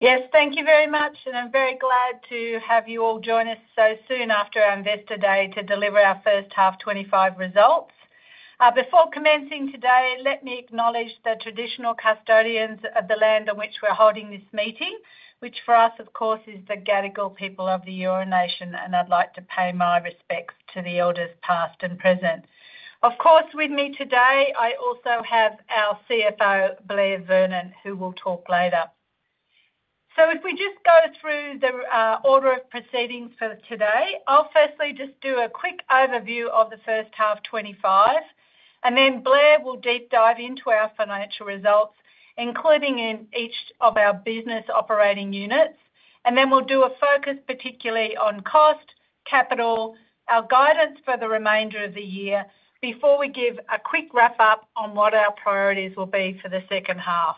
Yes, thank you very much, and I'm very glad to have you all join us so soon after our investor day to deliver our first half 2025 results. Before commencing today, let me acknowledge the traditional custodians of the land on which we're holding this meeting, which for us, of course, is the Gadigal people of the Eora Nation. I'd like to pay my respects to the elders past and present. Of course, with me today, I also have our CFO, Blair Vernon, who will talk later. If we just go through the order of proceedings for today, I'll firstly just do a quick overview of the first half 2025, and then Blair will deep dive into our financial results, including in each of our business operating units. We'll do a focus particularly on cost, capital, our guidance for the remainder of the year before we give a quick wrap-up on what our priorities will be for the second half.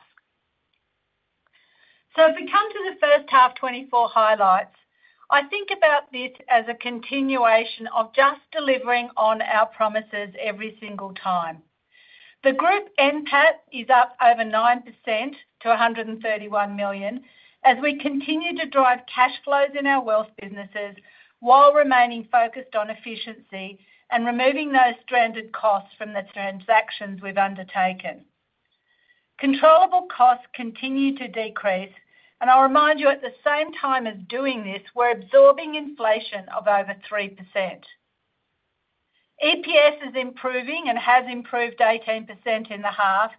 If we come to the first half 2024 highlights, I think about this as a continuation of just delivering on our promises every single time. The group underlying net cash after tax profit (NCAP) is up over 9% to $131 million as we continue to drive cash flows in our wealth businesses while remaining focused on efficiency and removing those stranded costs from the transactions we've undertaken. Controllable costs continue to decrease, and I'll remind you, at the same time as doing this, we're absorbing inflation of over 3%. Earnings per share is improving and has improved 18% in the half,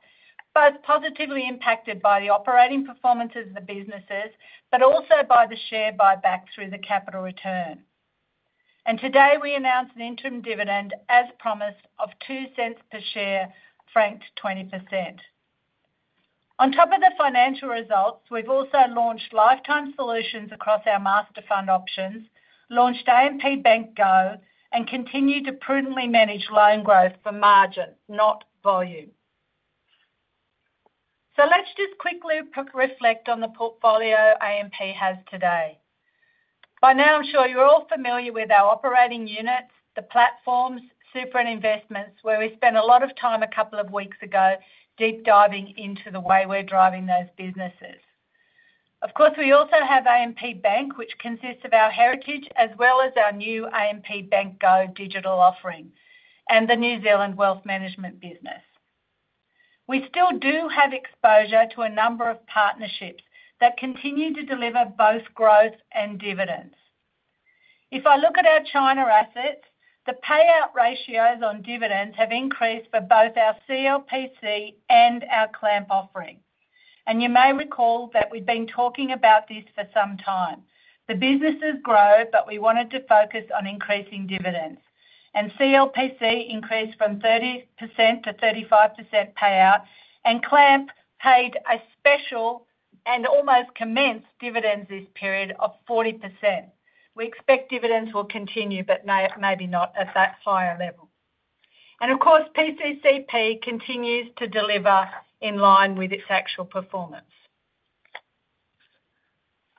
both positively impacted by the operating performances of the businesses, but also by the share buyback through the capital return. Today we announced an interim dividend as promised of $0.02 per share, franked 20%. On top of the financial results, we've also launched Lifetime Solutions across our master fund options, launched AMP Bank Go, and continue to prudently manage loan growth for margin, not volume. Let's just quickly reflect on the portfolio AMP has today. By now, I'm sure you're all familiar with our operating units, the platforms, super and investments, where we spent a lot of time a couple of weeks ago deep diving into the way we're driving those businesses. Of course, we also have AMP Bank, which consists of our heritage as well as our new AMP Bank Go digital offering and the New Zealand Wealth Management business. We still do have exposure to a number of partnerships that continue to deliver both growth and dividends. If I look at our China assets, the payout ratios on dividends have increased for both our China Life Pension Company (CLPC) and our China Life AMP Asset Management Company (CLAMP) offering. You may recall that we've been talking about this for some time. The businesses grow, but we wanted to focus on increasing dividends. CLPC increased from 30%-35% payout, and CLAMP paid a special and almost commenced dividends this period of 40%. We expect dividends will continue, but maybe not at that higher level. Of course, PCCP continues to deliver in line with its actual performance.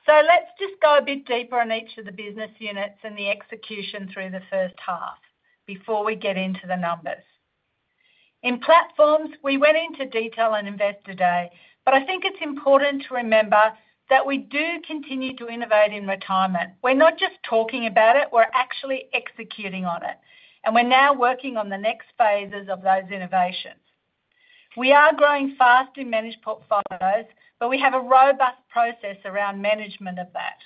Let's just go a bit deeper on each of the business units and the execution through the first half before we get into the numbers. In platforms, we went into detail on Investor Day, but I think it's important to remember that we do continue to innovate in retirement. We're not just talking about it; we're actually executing on it. We're now working on the next phases of those innovations. We are growing fast in managed portfolios, but we have a robust process around management of that.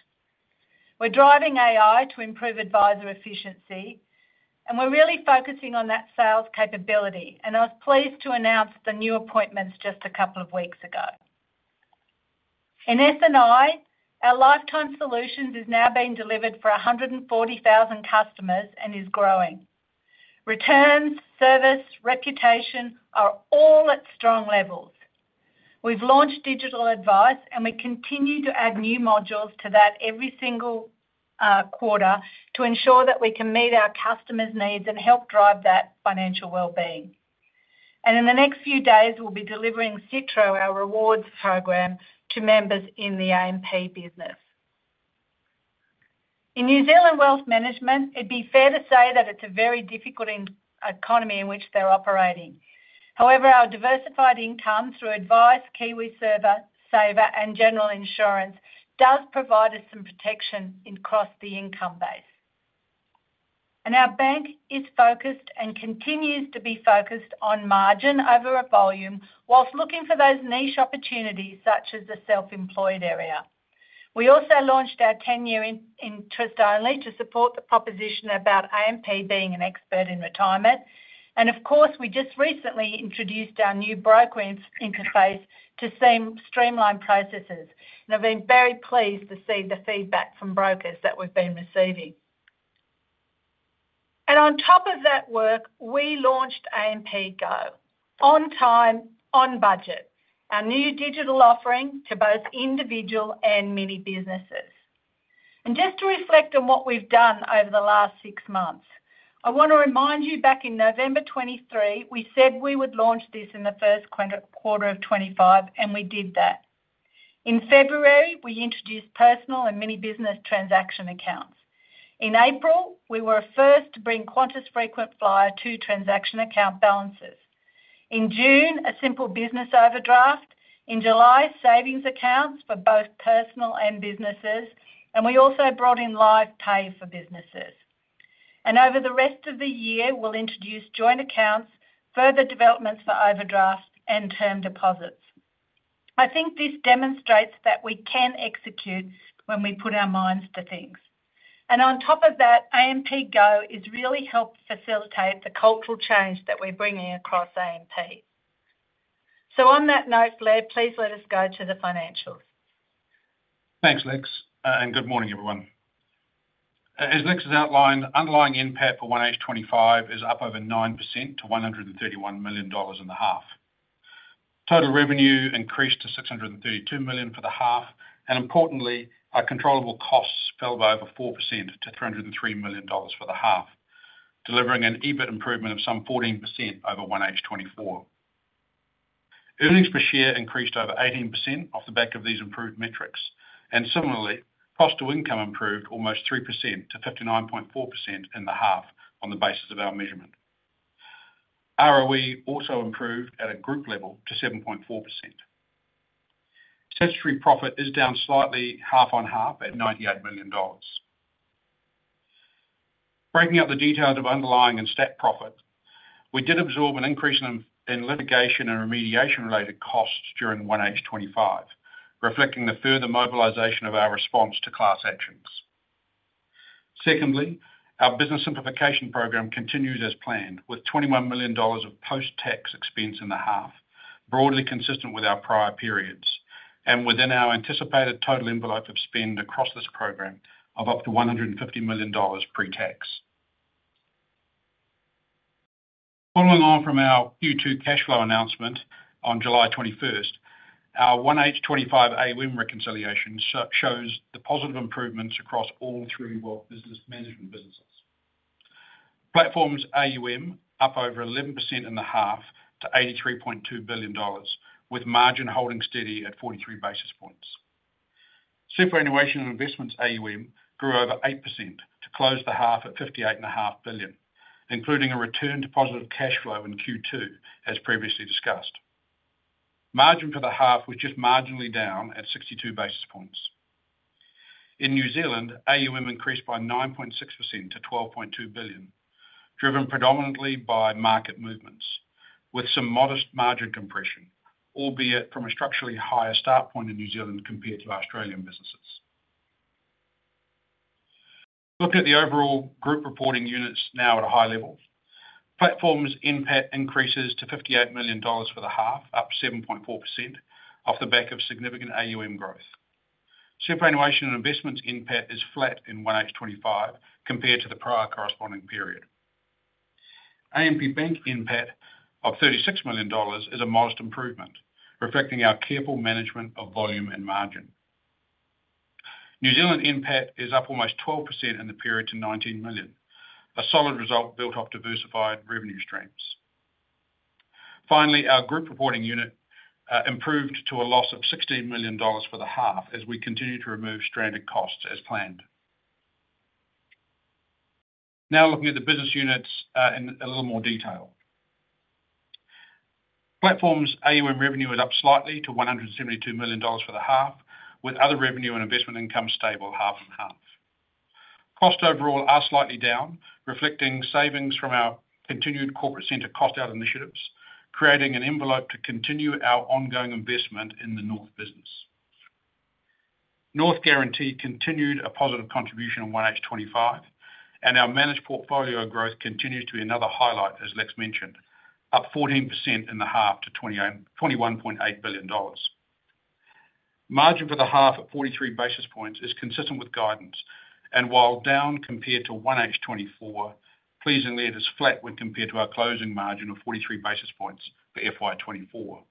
We're driving AI to improve advisor efficiency, and we're really focusing on that sales capability. I was pleased to announce the new appointments just a couple of weeks ago. In S&I, our Lifetime Solutions is now being delivered for 140,000 customers and is growing. Returns, service, reputation are all at strong levels. We've launched digital advice, and we continue to add new modules to that every single quarter to ensure that we can meet our customers' needs and help drive that financial well-being. In the next few days, we'll be delivering Citro, our rewards program, to members in the AMP business. In New Zealand Wealth Management, it'd be fair to say that it's a very difficult economy in which they're operating. However, our diversified income through advice, KiwiSaver, and general insurance does provide us some protection across the income base. Our bank is focused and continues to be focused on margin over volume whilst looking for those niche opportunities such as the self-employed area. We also launched our 10-year interest only to support the proposition about AMP being an expert in retirement. We just recently introduced our new broker interface to streamline processes. I've been very pleased to see the feedback from brokers that we've been receiving. On top of that work, we launched AMP Bank Go on time, on budget, our new digital offering to both individual and mini businesses. To reflect on what we've done over the last six months, I want to remind you, back in November 2023, we said we would launch this in the first quarter of 2025, and we did that. In February, we introduced personal and mini business transaction accounts. In April, we were first to bring Qantas Frequent Flyer to transaction account balances. In June, a simple business overdraft. In July, savings accounts for both personal and businesses, and we also brought in live pay for businesses. Over the rest of the year, we'll introduce joint accounts, further developments for overdraft, and term deposits. I think this demonstrates that we can execute when we put our minds to things. On top of that, AMP Bank Go is really helping facilitate the cultural change that we're bringing across AMP. On that note, Blair, please let us go to the financials. Thanks, Alex, and good morning, everyone. As Alex has outlined, underlying NCAP for 2025 is up over 9% to $131 million in the half. Total revenue increased to $632 million for the half, and importantly, our controllable costs fell by over 4% to $303 million for the half, delivering an EBIT improvement of some 14% over 2024. Earnings per share increased over 18% off the back of these improved metrics. Similarly, cost to income improved almost 3%-59.4% in the half on the basis of our measurement. ROE also improved at a group level to 7.4%. Statutory profit is down slightly, half on half, at $98 million. Breaking up the details of underlying and statutory profit, we did absorb an increase in litigation and remediation-related costs during 2025, reflecting the further mobilization of our response to class actions. Secondly, our business simplification program continues as planned, with $21 million of post-tax expense in the half, broadly consistent with our prior periods and within our anticipated total envelope of spend across this program of up to $150 million pre-tax. Following on from our Q2 cash flow announcement on July 21st, our 2025 AUM reconciliation shows the positive improvements across all three wealth management businesses. Platforms AUM up over 11% in the half to $83.2 billion, with margin holding steady at 43 basis points. Superannuation investments AUM grew over 8% to close the half at $58.5 billion, including a return to positive cash flow in Q2, as previously discussed. Margin for the half was just marginally down at 62 basis points. In New Zealand, AUM increased by 9.6% to $12.2 billion, driven predominantly by market movements, with some modest margin compression, albeit from a structurally higher start point in New Zealand compared to Australian businesses. Looking at the overall group reporting units now at a high level, platforms NCAP increases to $58 million for the half, up 7.4% off the back of significant AUM growth. Superannuation investments NCAP is flat in 2025 compared to the prior corresponding period. AMP Bank NCAP of $36 million is a modest improvement, reflecting our careful management of volume and margin. New Zealand NCAP is up almost 12% in the period to $19 million, a solid result built off diversified revenue streams. Finally, our group reporting unit improved to a loss of $16 million for the half as we continue to remove stranded costs as planned. Now looking at the business units in a little more detail, platforms AUM revenue is up slightly to $172 million for the half, with other revenue and investment income stable half on half. Costs overall are slightly down, reflecting savings from our continued corporate center cost-out initiatives, creating an envelope to continue our ongoing investment in the North business. North Guarantee continued a positive contribution in 2025 and our managed portfolio growth continues to be another highlight, as Alexis mentioned, up 14% in the half to $21.8 billion. Margin for the half at 43 basis points is consistent with guidance, and while down compared to 2024, pleasingly it is flat when compared to our closing margin of 43 basis points for FY24.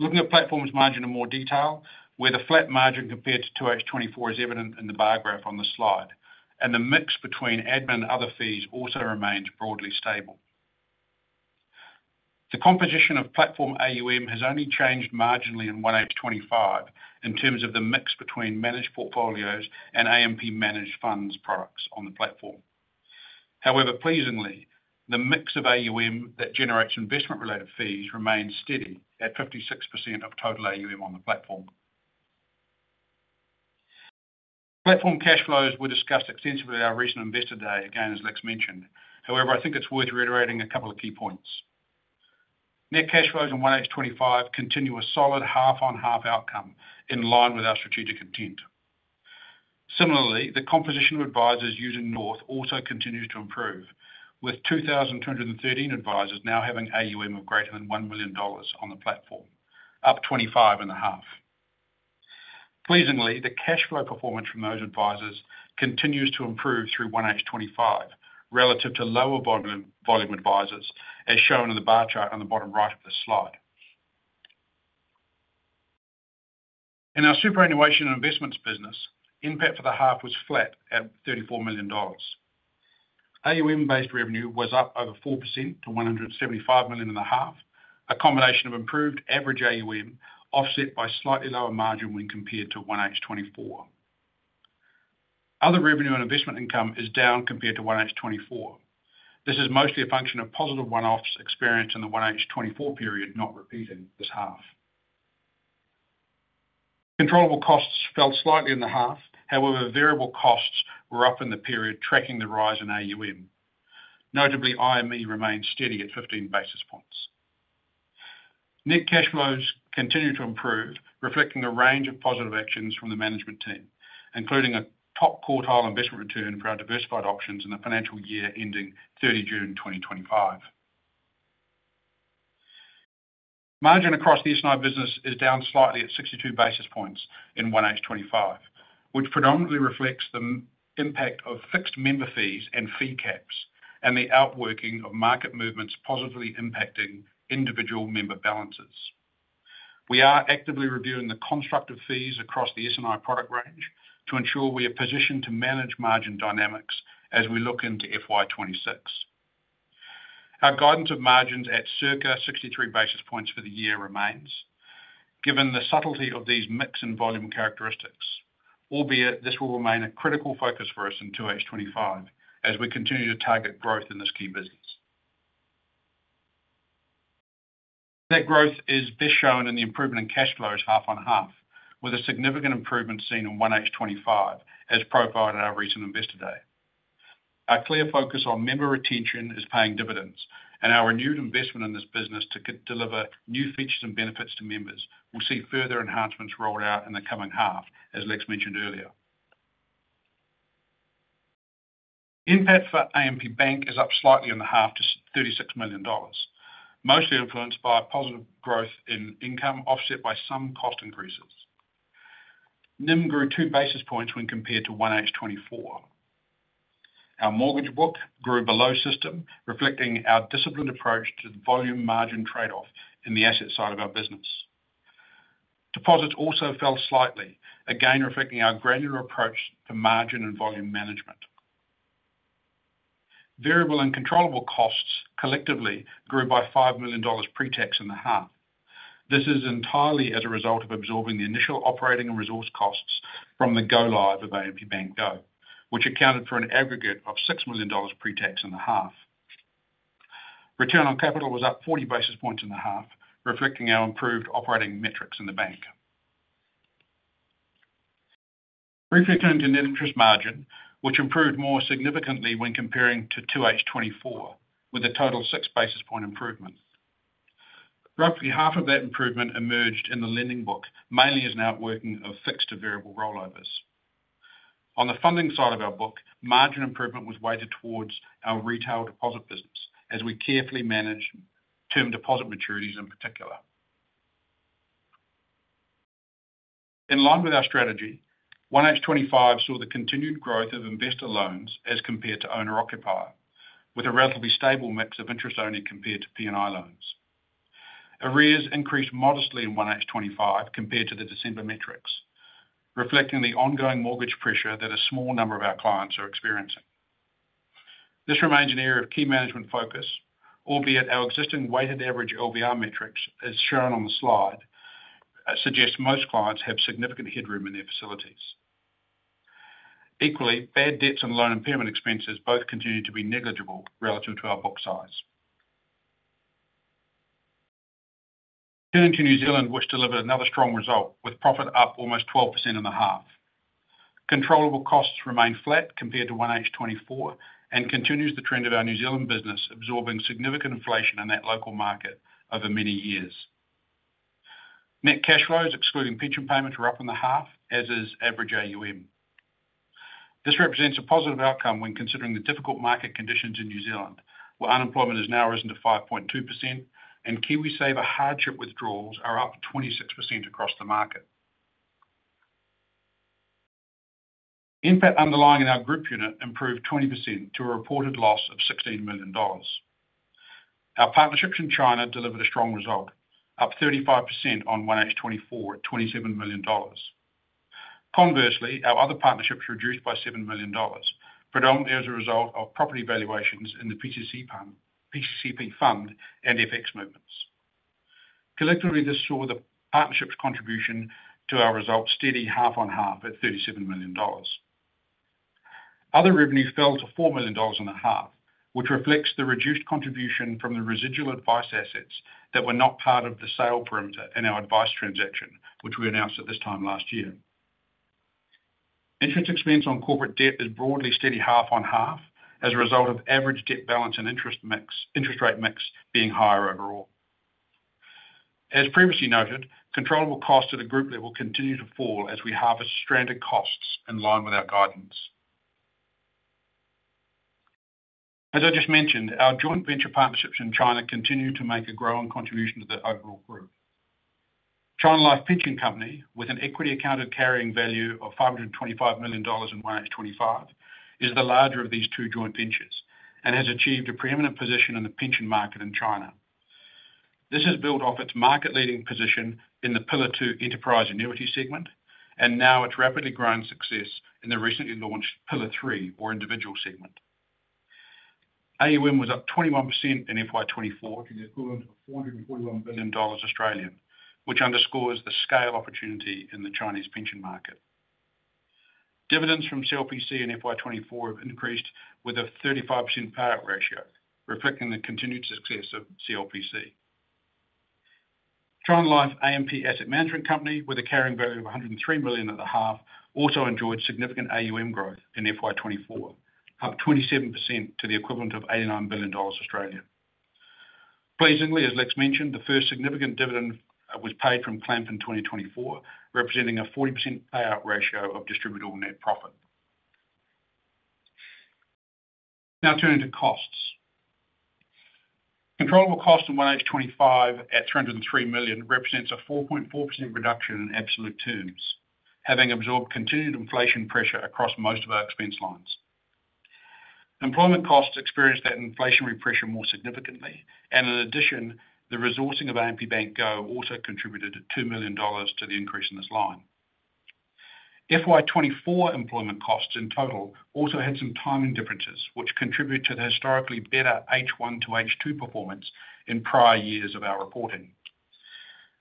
Looking at platforms margin in more detail, where the flat margin compared to 2024 is evident in the bar graph on the slide, and the mix between admin and other fees also remains broadly stable. The composition of platform AUM has only changed marginally in 2025 in terms of the mix between managed portfolios and AMP managed funds products on the platform. However, pleasingly, the mix of AUM that generates investment-related fees remains steady at 56% of total AUM on the platform. Platform cash flows were discussed extensively at our recent investor day, again, as Alexis mentioned. However, I think it's worth reiterating a couple of key points. Net cash flows in 2025 continue a solid half-on-half outcome in line with our strategic intent. Similarly, the composition of advisors using North also continues to improve, with 2,213 advisors now having AUM of greater than $1 million on the platform, up 25.5. Pleasingly, the cash flow performance from those advisors continues to improve through 2025 relative to lower volume advisors, as shown in the bar chart on the bottom right of the slide. In our superannuation investments business, NCAP for the half was flat at $34 million. AUM-based revenue was up over 4% to $175 million in the half, a combination of improved average AUM offset by slightly lower margin when compared to 2024. Other revenue and investment income is down compared to 2024. This is mostly a function of positive one-offs experienced in the 2024 period, not repeating this half. Controllable costs fell slightly in the half, however, variable costs were up in the period tracking the rise in AUM. Notably, IME remains steady at 15 basis points. Net cash flows continue to improve, reflecting a range of positive actions from the management team, including a top quartile investment return for our diversified options in the financial year ending 30th June, 2025. Margin across the S&I business is down slightly at 62 basis points in 2025, which predominantly reflects the impact of fixed member fees and fee caps and the outworking of market movements positively impacting individual member balances. We are actively reviewing the constructive fees across the S&I product range to ensure we are positioned to manage margin dynamics as we look into FY26. Our guidance of margins at circa 63 basis points for the year remains, given the subtlety of these mixed volume characteristics, albeit this will remain a critical focus for us in 2H25 as we continue to target growth in this key business. That growth is best shown in the improvement in cash flows half on half, with a significant improvement seen in 2025 as profiled in our recent investor day. Our clear focus on member retention is paying dividends, and our renewed investment in this business to deliver new features and benefits to members will see further enhancements rolled out in the coming half, as Lukes mentioned earlier. NCAP for AMP Bank is up slightly in the half to $36 million, mostly influenced by positive growth in income offset by some cost increases. NIM grew two basis points when compared to 2024. Our mortgage book grew below system, reflecting our disciplined approach to the volume margin trade-off in the asset side of our business. Deposits also fell slightly, again reflecting our granular approach to margin and volume management. Variable and controllable costs collectively grew by $5 million pre-tax in the half. This is entirely as a result of absorbing the initial operating and resource costs from the go live of AMP Bank Go, which accounted for an aggregate of $6 million pre-tax in the half. Return on capital was up 40 basis points in the half, reflecting our improved operating metrics in the bank. Briefly turning to net interest margin, which improved more significantly when comparing to 2H24, with a total six basis point improvement. Roughly half of that improvement emerged in the lending book, mainly as an outworking of fixed to variable rollovers. On the funding side of our book, margin improvement was weighted towards our retail deposit business as we carefully managed term deposit maturities in particular. In line with our strategy, 2025 saw the continued growth of investor loans as compared to owner-occupied, with a relatively stable mix of interest only compared to P&I loans. AREAS increased modestly in 2025 compared to the December metrics, reflecting the ongoing mortgage pressure that a small number of our clients are experiencing. This remains an area of key management focus, albeit our existing weighted average LVR metrics, as shown on the slide, suggest most clients have significant headroom in their facilities. Equally, bad debts and loan impairment expenses both continue to be negligible relative to our book size. Turning to New Zealand, which delivered another strong result with profit up almost 12% in the half. Controllable costs remain flat compared to 2024 and continues the trend of our New Zealand business absorbing significant inflation in that local market over many years. Net cash flows, excluding pension payments, were up in the half, as is average AUM. This represents a positive outcome when considering the difficult market conditions in New Zealand, where unemployment has now risen to 5.2% and KiwiSaver hardship withdrawals are up 26% across the market. NCAP underlying in our group unit improved 20% to a reported loss of $16 million. Our partnerships in China delivered a strong result, up 35% on 2024 at $27 million. Conversely, our other partnerships reduced by $7 million, predominantly as a result of property valuations in the PCCP fund and FX movements. Collectively, this saw the partnerships' contribution to our results steady half on half at $37 million. Other revenue fell to $4 million in the half, which reflects the reduced contribution from the residual advice assets that were not part of the sale perimeter in our advice transaction, which we announced at this time last year. Interest expense on corporate debt is broadly steady half on half as a result of average debt balance and interest rate mix being higher overall. As previously noted, controllable costs at the group level continue to fall as we harvest stranded costs in line with our guidance. As I just mentioned, our joint venture partnerships in China continue to make a growing contribution to the overall group. China Life Pension Company, with an equity accounted carrying value of $525 million in 2025, is the larger of these two joint ventures and has achieved a preeminent position in the pension market in China. This is built off its market-leading position in the Pillar 2 enterprise annuity segment and now its rapidly growing success in the recently launched Pillar 3 or individual segment. AUM was up 21% in FY24 to the equivalent of $441 billion Australian, which underscores the scale opportunity in the Chinese pension market. Dividends from CLPC in FY24 have increased with a 35% payout ratio, reflecting the continued success of CLPC. China Life AMP Asset Management Company, with a carrying value of $103 million at the half, also enjoyed significant AUM growth in FY24, up 27% to the equivalent of $89 billion Australian. Pleasingly, as Alexis mentioned, the first significant dividend was paid from CLAMP in 2024, representing a 40% payout ratio of distributable net profit. Now turning to costs, controllable costs in 1825 at $203 million represent a 4.4% reduction in absolute terms, having absorbed continued inflation pressure across most of our expense lines. Employment costs experienced that inflationary pressure more significantly, and in addition, the resourcing of AMP Bank Go also contributed $2 million to the increase in this line. FY24 employment costs in total also had some timing differences, which contribute to the historically better H1 performance-H2 performance in prior years of our reporting.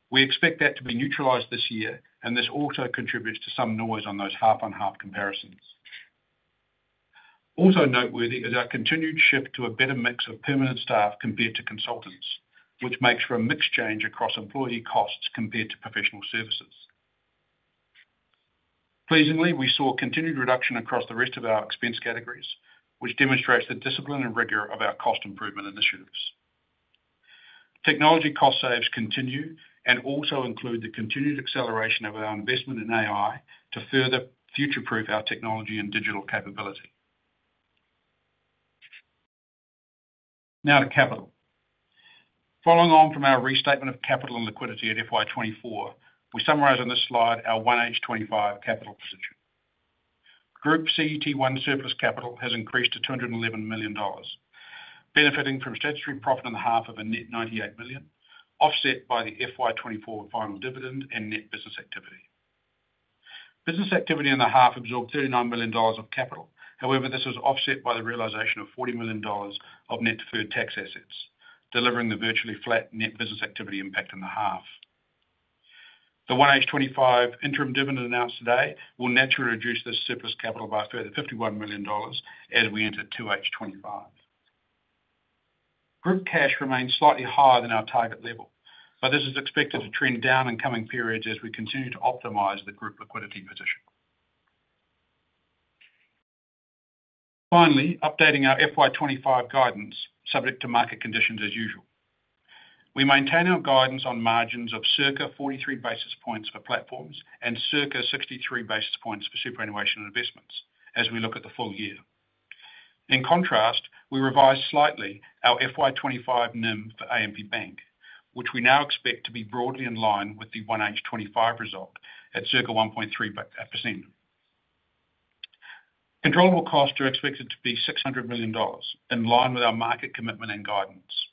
We expect that to be neutralized this year, and this also contributes to some noise on those half on half comparisons. Also noteworthy is our continued shift to a better mix of permanent staff compared to consultants, which makes for a mixed change across employee costs compared to professional services. Pleasingly, we saw a continued reduction across the rest of our expense categories, which demonstrates the discipline and rigor of our cost improvement initiatives. Technology cost saves continue and also include the continued acceleration of our investment in AI to further future-proof our technology and digital capability. Now to capital. Following on from our restatement of capital and liquidity at FY24, we summarize on this slide our 1825 capital position. Group CET1 surplus capital has increased to $211 million, benefiting from statutory profit on the half of a net $98 million, offset by the FY24 final dividend and net business activity. Business activity in the half absorbed $39 million of capital, however, this was offset by the realization of $40 million of net deferred tax assets, delivering the virtually flat net business activity impact in the half. The 1825 interim dividend announced today will naturally reduce this surplus capital by a further $51 million as we enter 2H25. Group cash remains slightly higher than our target level, but this is expected to trend down in coming periods as we continue to optimize the group liquidity position. Finally, updating our FY25 guidance subject to market conditions as usual. We maintain our guidance on margins of circa 43 basis points for platforms and circa 63 basis points for superannuation investments as we look at the full year. In contrast, we revised slightly our FY25 NIM for AMP Bank, which we now expect to be broadly in line with the 1825 result at circa 1.3%. Controllable costs are expected to be $600 million, in line with our market commitment and guidance.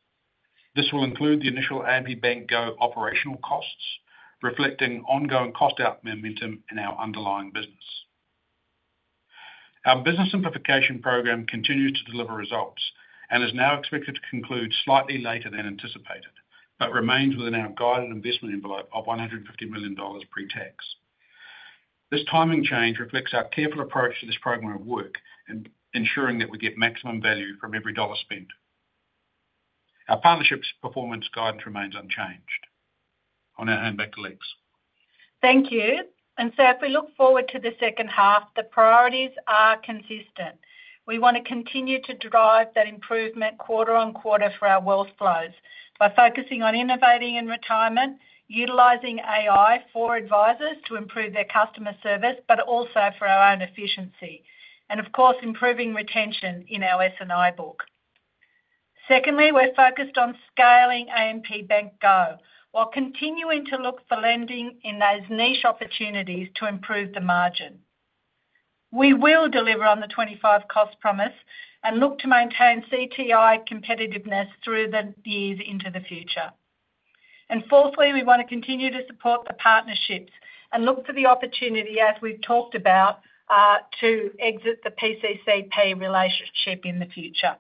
This will include the initial AMP Bank Go operational costs, reflecting ongoing cost-out momentum in our underlying business. Our business simplification program continues to deliver results and is now expected to conclude slightly later than anticipated, but remains within our guided investment envelope of $150 million pre-tax. This timing change reflects our careful approach to this program of work and ensuring that we get maximum value from every dollar spent. Our partnerships' performance guidance remains unchanged. On that, I'm back to Alex. Thank you. So, we look forward to the second half. The priorities are consistent. We want to continue to drive that improvement quarter on quarter for our wealth flows by focusing on innovating in retirement, utilizing AI for advisors to improve their customer service, but also for our own efficiency, and of course, improving retention in our S&I book. Secondly, we're focused on scaling AMP Bank Go while continuing to look for lending in those niche opportunities to improve the margin. We will deliver on the $25 cost promise and look to maintain CTI competitiveness through the years into the future. Fourthly, we want to continue to support the partnerships and look for the opportunity, as we've talked about, to exit the PCCP relationship in the future.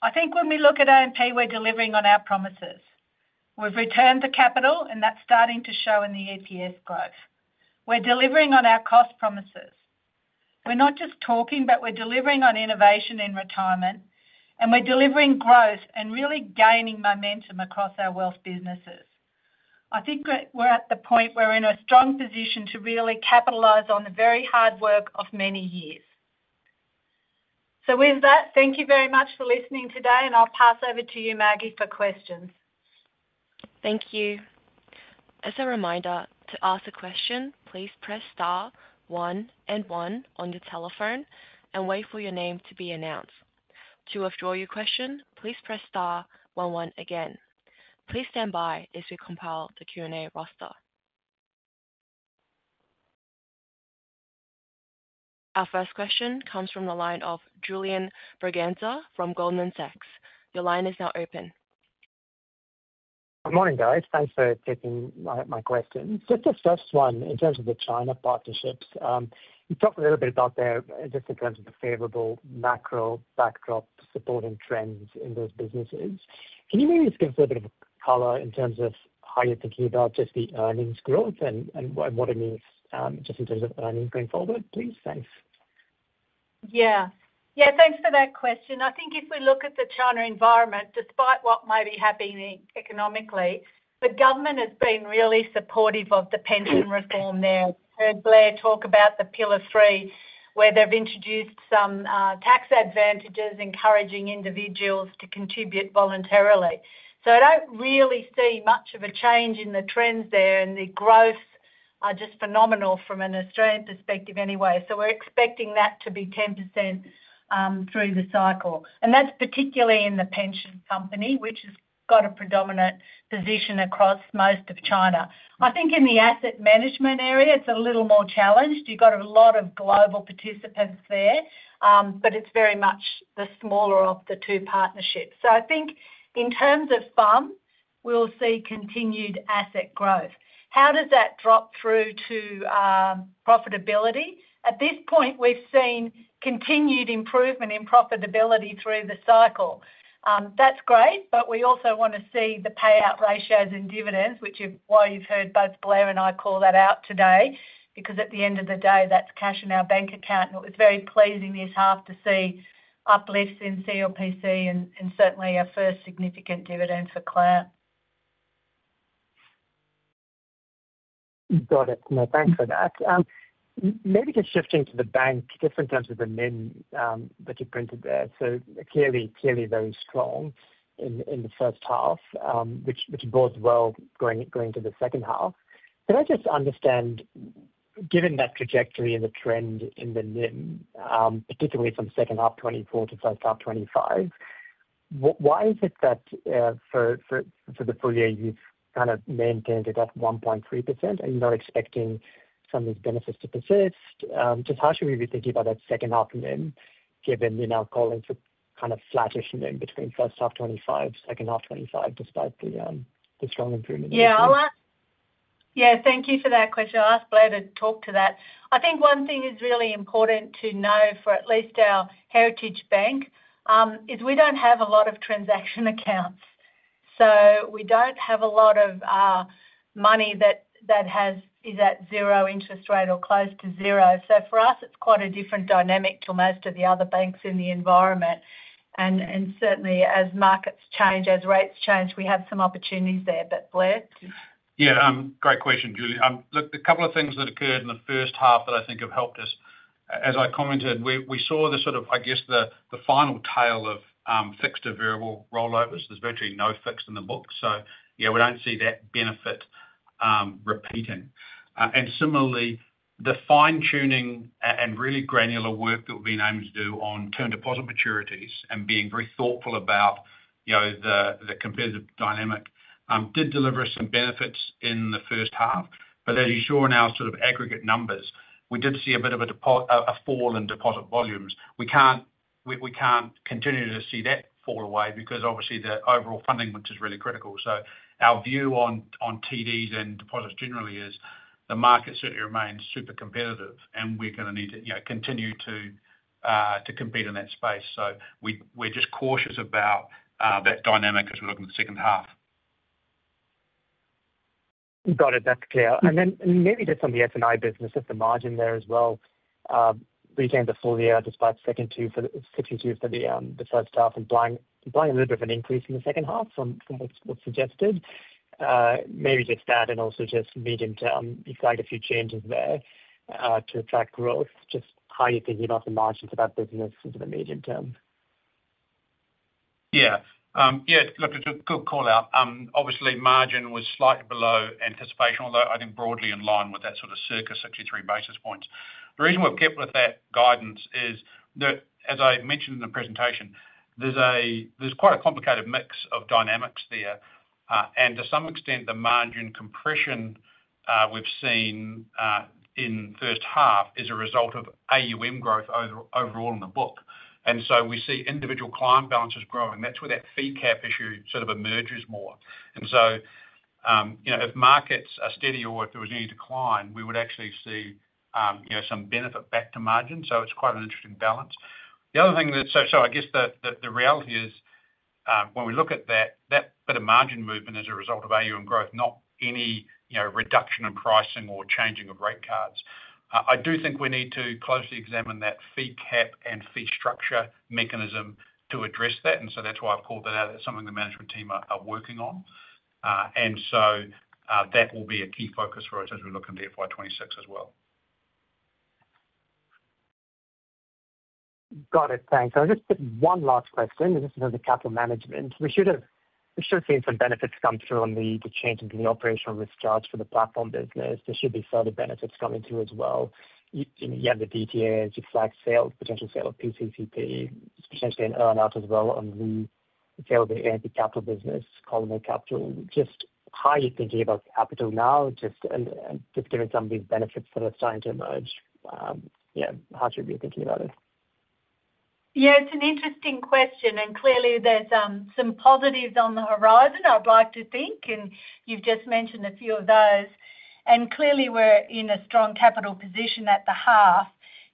I think when we look at AMP, we're delivering on our promises. We've returned the capital, and that's starting to show in the EPS growth. We're delivering on our cost promises. We're not just talking, but we're delivering on innovation in retirement, and we're delivering growth and really gaining momentum across our wealth businesses. I think we're at the point where we're in a strong position to really capitalize on the very hard work of many years. Thank you very much for listening today, and I'll pass over to you, Maggie, for questions. Thank you. As a reminder, to ask a question, please press star one and one on your telephone and wait for your name to be announced. To withdraw your question, please press star one-one again. Please stand by as we compile the Q&A roster. Our first question comes from the line of Julian Braganza from Goldman Sachs. Your line is now open. Good morning, guys. Thanks for taking my question. It's just a first one in terms of the China partnerships. You talked a little bit about that just in terms of the favorable macro backdrop support and trends in those businesses. Can you maybe just give us a little bit of color in terms of how you're thinking about just the earnings growth and what it means just in terms of earnings going forward, please? Thanks. Yeah, thanks for that question. I think if we look at the China environment, despite what may be happening economically, the government has been really supportive of the pension reform there. I heard Blair talk about the Pillar 3, where they've introduced some tax advantages encouraging individuals to contribute voluntarily. I don't really see much of a change in the trends there, and the growths are just phenomenal from an Australian perspective anyway. We're expecting that to be 10% through the cycle. That's particularly in the pension company, which has got a predominant position across most of China. I think in the asset management area, it's a little more challenged. You've got a lot of global participants there, but it's very much the smaller of the two partnerships. I think in terms of funds, we'll see continued asset growth. How does that drop through to profitability? At this point, we've seen continued improvement in profitability through the cycle. That's great, but we also want to see the payout ratios in dividends, which is why you've heard both Blair and I call that out today because at the end of the day, that's cash in our bank account. It was very pleasing this half to see uplifts in CLPC and certainly our first significant dividend for CLAMP. Thanks for that. Maybe just shifting to the bank, just in terms of the NIM that you printed there. Clearly very strong in the first half, which bodes well going into the second half. Can I just understand, given that trajectory and the trend in the NIM, particularly from second half 2024-first half 2025, why is it that for the full year you've kind of maintained it at 1.3%? Are you not expecting some of these benefits to persist? Partially, we're thinking about that second half NIM, given in our colleagues a kind of flattish NIM between first half 2025 and second half 2025, despite the strong improvement. Thank you for that question. I'll ask Blair to talk to that. I think one thing is really important to know for at least our heritage bank is we don't have a lot of transaction accounts. We don't have a lot of money that is at zero interest rate or close to zero. For us, it's quite a different dynamic to most of the other banks in the environment. Certainly, as markets change, as rates change, we have some opportunities there. Blair? Yeah, great question, Julie. Look, the couple of things that occurred in the first half that I think have helped us. As I commented, we saw the sort of, I guess, the final tail of fixed or variable rollovers. There's virtually no fixed in the book. We don't see that benefit repeating. Similarly, the fine-tuning and really granular work that we've been able to do on term deposit maturities and being very thoughtful about the competitive dynamic did deliver some benefits in the first half. As you saw in our aggregate numbers, we did see a bit of a fall in deposit volumes. We can't continue to see that fall away because obviously the overall funding is really critical. Our view on TDs and deposits generally is the market certainly remains super competitive and we're going to need to continue to compete in that space. We're just cautious about that dynamic as we look at the second half. You got it. That's clear. Maybe just on the S&I business, just the margin there as well. We're saying the full year despite 62 for the first half and implying a little bit of an increase in the second half from what's suggested. Maybe just that and also just medium term, you've got a few changes there to affect growth. Just how you're thinking about the margins of that business into the medium term. Yeah, look, it's a good call out. Obviously, margin was slightly below anticipation, although I think broadly in line with that sort of circa 63 basis points. The reason we've kept with that guidance is that, as I mentioned in the presentation, there's quite a complicated mix of dynamics there. To some extent, the margin compression we've seen in the first half is a result of AUM growth overall in the book. We see individual client balances growing. That's where that fee cap issue sort of emerges more. If markets are steady or if there was any decline, we would actually see some benefit back to margin. It's quite an interesting balance. The other thing that, I guess the reality is when we look at that, that bit of margin movement is a result of AUM growth, not any reduction in pricing or changing of rate cards. I do think we need to closely examine that fee cap and fee structure mechanism to address that. That's why I've called that out. That's something the management team are working on. That will be a key focus for us as we look into FY26 as well. Got it. Thanks. I just have one last question. This is in terms of capital management. We should have seen some benefits come through on the change in the operational risk charges for the platforms business. There should be further benefits coming through as well. You have the DTA. You've flagged potential sale of PCCP has been earned out as well on the sale of the energy capital business, Colonel Capital. Just how are you thinking about capital now, given some of these benefits that are starting to emerge? How should we be thinking about it? Yeah, it's an interesting question. Clearly, there's some positives on the horizon, I'd like to think. You've just mentioned a few of those. Clearly, we're in a strong capital position at the half.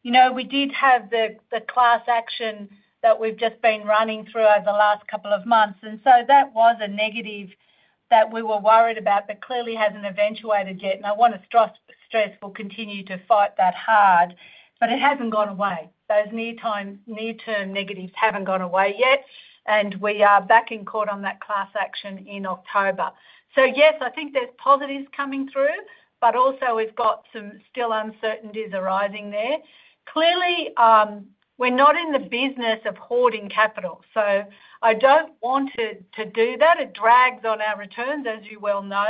We did have the class action that we've just been running through over the last couple of months. That was a negative that we were worried about, but clearly hasn't eventuated yet. I want to stress we'll continue to fight that hard. It hasn't gone away. Those near-term negatives haven't gone away yet. We are back in court on that class action in October. I think there's positives coming through, but also we've got some still uncertainties arising there. Clearly, we're not in the business of hoarding capital. I don't want to do that. It drags on our returns, as you well know.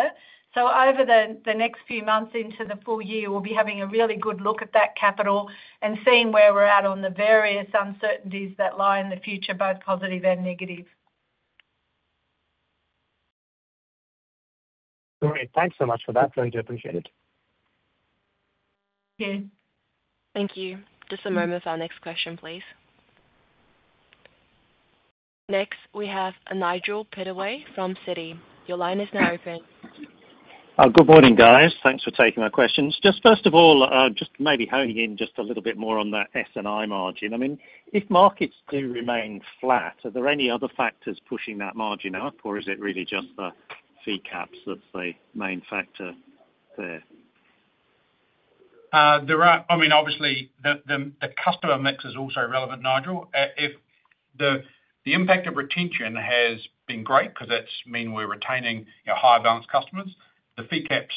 Over the next few months into the full year, we'll be having a really good look at that capital and seeing where we're at on the various uncertainties that lie in the future, both positive and negative. All right, thanks so much for that. I really do appreciate it. Yeah. Thank you. Just a moment for our next question, please. Next, we have Nigel Pettaway from Citi. Your line is now open. Good morning, guys. Thanks for taking my questions. First of all, maybe honing in just a little bit more on the S&I margin. I mean, if markets do remain flat, are there any other factors pushing that margin up, or is it really just the fee caps that's the main factor there? I mean, obviously, the customer mix is also relevant, Nigel. If the impact of retention has been great, because that means we're retaining higher balance customers, the fee caps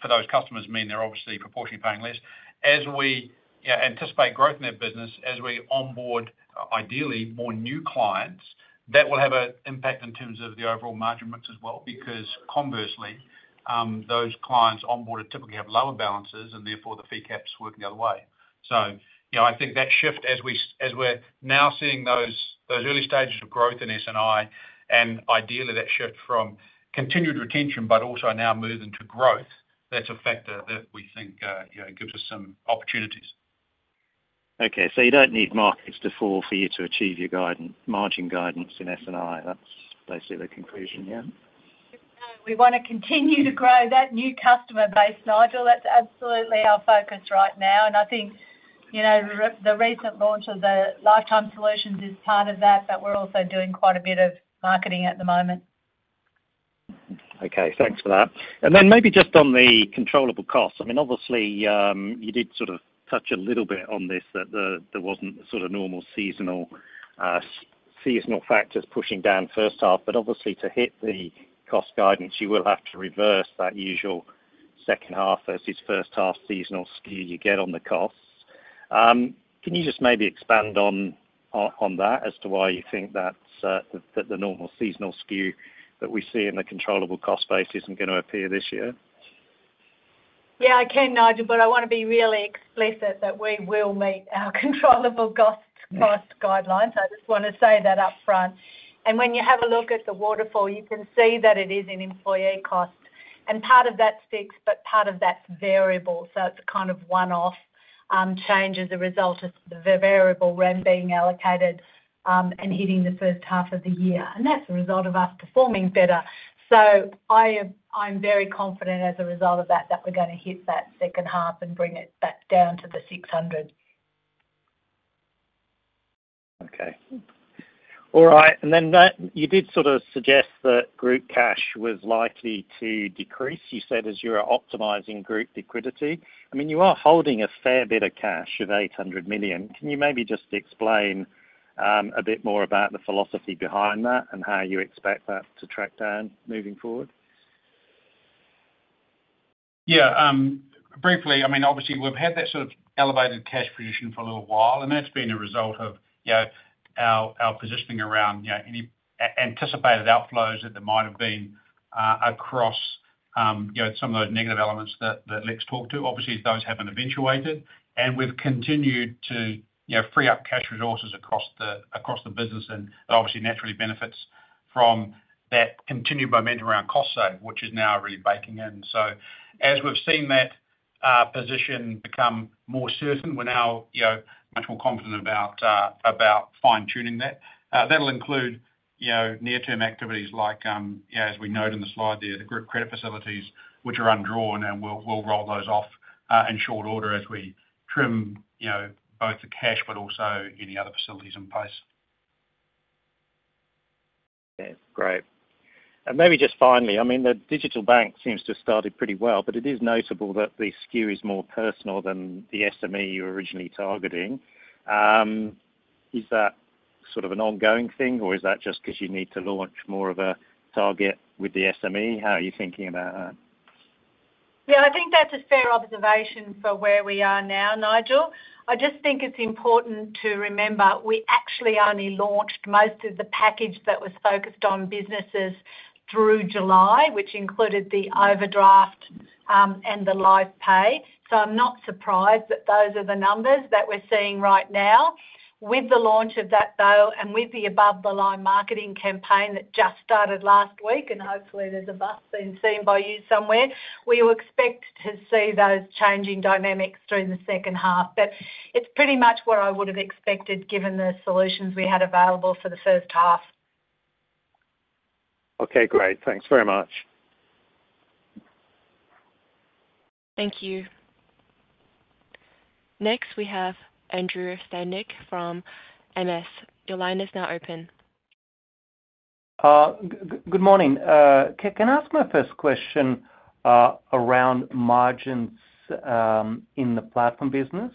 for those customers mean they're obviously proportionately paying less. As we anticipate growth in their business, as we onboard, ideally, more new clients, that will have an impact in terms of the overall margin mix as well, because conversely, those clients onboarded typically have lower balances, and therefore the fee caps work the other way. I think that shift, as we're now seeing those early stages of growth in S&I, and ideally that shift from continued retention, but also now moving to growth, that's a factor that we think gives us some opportunities. Okay, you don't need markets to fall for you to achieve your margin guidance in S&I. That's basically the conclusion, yeah? We want to continue to grow that new customer base, Nigel. That's absolutely our focus right now. I think the recent launch of Lifetime Solutions is part of that, but we're also doing quite a bit of marketing at the moment. Okay. Thanks for that. Maybe just on the controllable costs. You did sort of touch a little bit on this, that there wasn't a sort of normal seasonal factors pushing down first half. Obviously, to hit the cost guidance, you will have to reverse that usual second half versus first half seasonal skew you get on the costs. Can you just maybe expand on that as to why you think that the normal seasonal skew that we see in the controllable cost space isn't going to appear this year? Yeah, I can, Nigel, but I want to be really explicit that we will meet our controllable cost guidelines. I just want to say that up front. When you have a look at the waterfall, you can see that it is an employee cost. Part of that sticks, but part of that's variable. It's a kind of one-off change as a result of the variable REM being allocated and hitting the first half of the year. That's a result of us performing better. I'm very confident as a result of that, that we're going to hit that second half and bring it back down to the $600. Okay. All right. You did sort of suggest that group cash was likely to decrease, you said, as you were optimizing group liquidity. I mean, you are holding a fair bit of cash of $800 million. Can you maybe just explain a bit more about the philosophy behind that and how you expect that to track down moving forward? Yeah. Briefly, I mean, obviously, we've had that sort of elevated cash position for a little while. That's been a result of our positioning around any anticipated outflows that there might have been across some of those negative elements that Luke's talked to. Obviously, those haven't eventuated. We've continued to free up cash resources across the business. It obviously naturally benefits from that continued momentum around cost save, which is now really baking in. As we've seen that position become more certain, we're now much more confident about fine-tuning that. That'll include near-term activities like, as we note in the slide there, the group credit facilities, which are undrawn, and we'll roll those off in short order as we trim both the cash but also any other facilities in place. Okay. Great. Maybe just finally, I mean, the digital bank seems to have started pretty well, but it is notable that the skew is more personal than the SME you were originally targeting. Is that sort of an ongoing thing, or is that just because you need to launch more of a target with the SME? How are you thinking about that? Yeah, I think that's a fair observation for where we are now, Nigel. I just think it's important to remember we actually only launched most of the package that was focused on businesses through July, which included the overdraft and the live pay. I'm not surprised that those are the numbers that we're seeing right now. With the launch of that, and with the above-the-line marketing campaign that just started last week, and hopefully, there's a bus being seen by you somewhere, we will expect to see those changing dynamics through the second half. It's pretty much what I would have expected given the solutions we had available for the first half. Okay, great. Thanks very much. Thank you. Next, we have Andrew Stanek from Morgan Stanley. Your line is now open. Good morning. Can I ask my first question around margins in the platform business?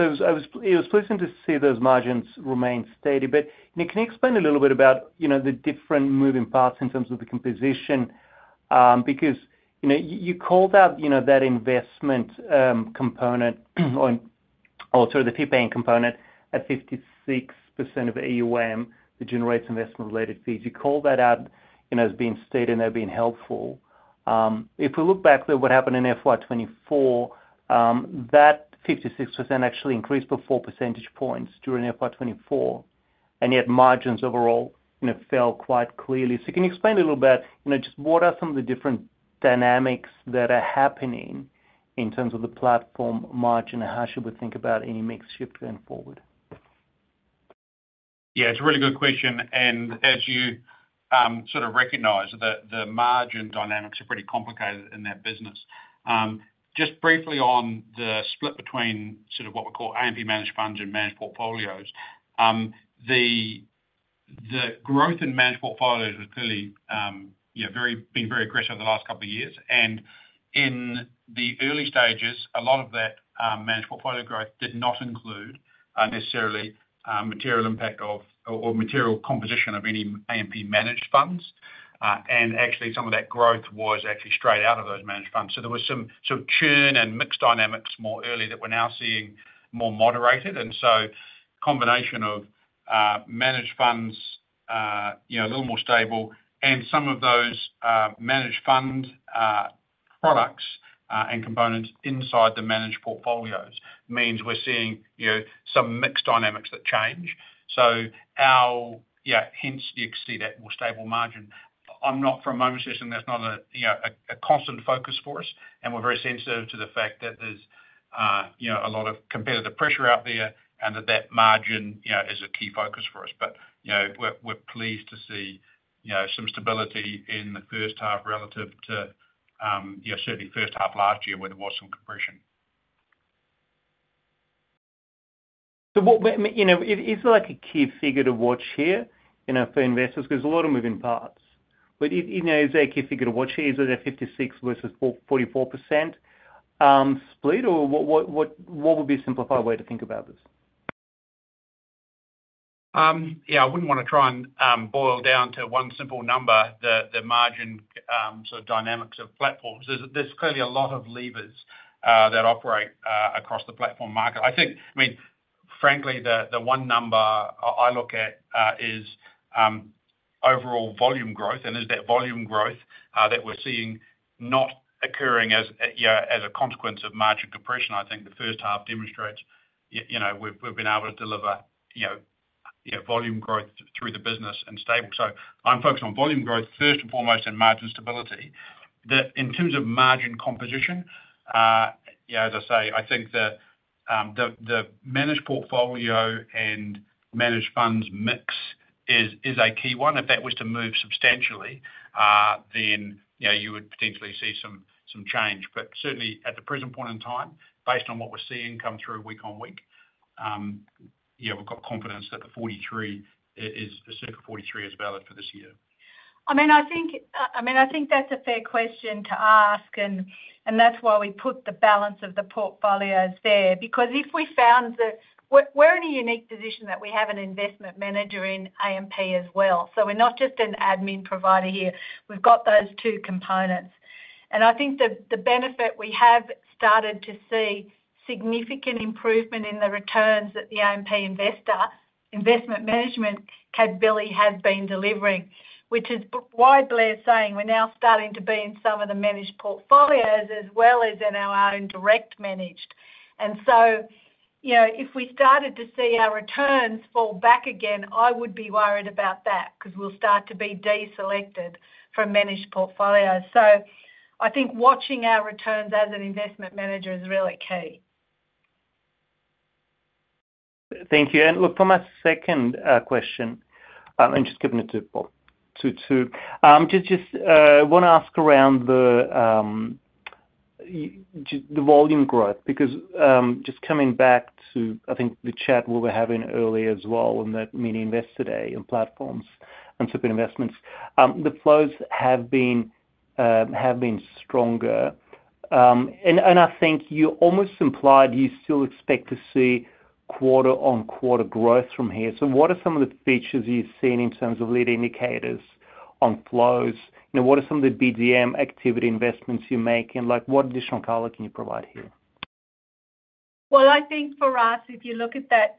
It was pleasing to see those margins remain steady. Can you explain a little bit about the different moving parts in terms of the composition? You called out that investment component, or sorry, the fee paying component at 56% of AUM that generates investment-related fees. You called that out as being steady and they're being helpful. If we look back to what happened in FY2024, that 56% actually increased by 4% during FY2024, and yet margins overall fell quite clearly. Can you explain a little bit just what are some of the different dynamics that are happening in terms of the platform margin and how should we think about any mix shift going forward? Yeah, it's a really good question. As you sort of recognize, the margin dynamics are pretty complicated in that business. Just briefly on the split between what we call AMP managed funds and managed portfolios, the growth in managed portfolios was clearly very aggressive over the last couple of years. In the early stages, a lot of that managed portfolio growth did not include necessarily material impact or material composition of any AMP managed funds. Actually, some of that growth was straight out of those managed funds. There was some churn and mixed dynamics more early that we're now seeing more moderated. A combination of managed funds a little more stable and some of those managed fund products and components inside the managed portfolios means we're seeing some mixed dynamics that change. Hence, the exceed at more stable margin. I'm not for a moment suggesting that's not a constant focus for us. We're very sensitive to the fact that there's a lot of competitive pressure out there and that margin is a key focus for us. We're pleased to see some stability in the first half relative to certainly first half last year where there was some compression. What is a key figure to watch here for investors? There's a lot of moving parts. Is that a key figure to watch here? Is it that 56% versus 44% split? What would be a simplified way to think about this? Yeah, I wouldn't want to try and boil down to one simple number, the margin sort of dynamics of platforms. There's clearly a lot of levers that operate across the platform market. I think, frankly, the one number I look at is overall volume growth. Is that volume growth that we're seeing not occurring as a consequence of margin compression? I think the first half demonstrates we've been able to deliver volume growth through the business and stable. I'm focused on volume growth first and foremost and margin stability. In terms of margin composition, as I say, I think that the managed portfolio and managed funds mix is a key one. If that was to move substantially, then you would potentially see some change. Certainly, at the present point in time, based on what we're seeing come through week on week, we've got confidence that the 43 is valid for this year. I think that's a fair question to ask. That's why we put the balance of the portfolios there. If we found that we're in a unique position, we have an investment manager in AMP as well. We're not just an admin provider here. We've got those two components. I think the benefit we have started to see is significant improvement in the returns that the AMP investment management capability has been delivering, which is why Blair's saying we're now starting to be in some of the managed portfolios as well as in our own direct managed. If we started to see our returns fall back again, I would be worried about that because we'll start to be deselected from managed portfolios. I think watching our returns as an investment manager is really key. Thank you. For my second question, I'm just giving it to Paul. I want to ask around the volume growth because just coming back to, I think, the chat we were having earlier as well on that mini investor day and platforms and super investments, the flows have been stronger. I think you almost implied you still expect to see quarter-on-quarter growth from here. What are some of the features you've seen in terms of lead indicators on flows? What are some of the BDM activity investments you're making? What additional color can you provide here? If you look at that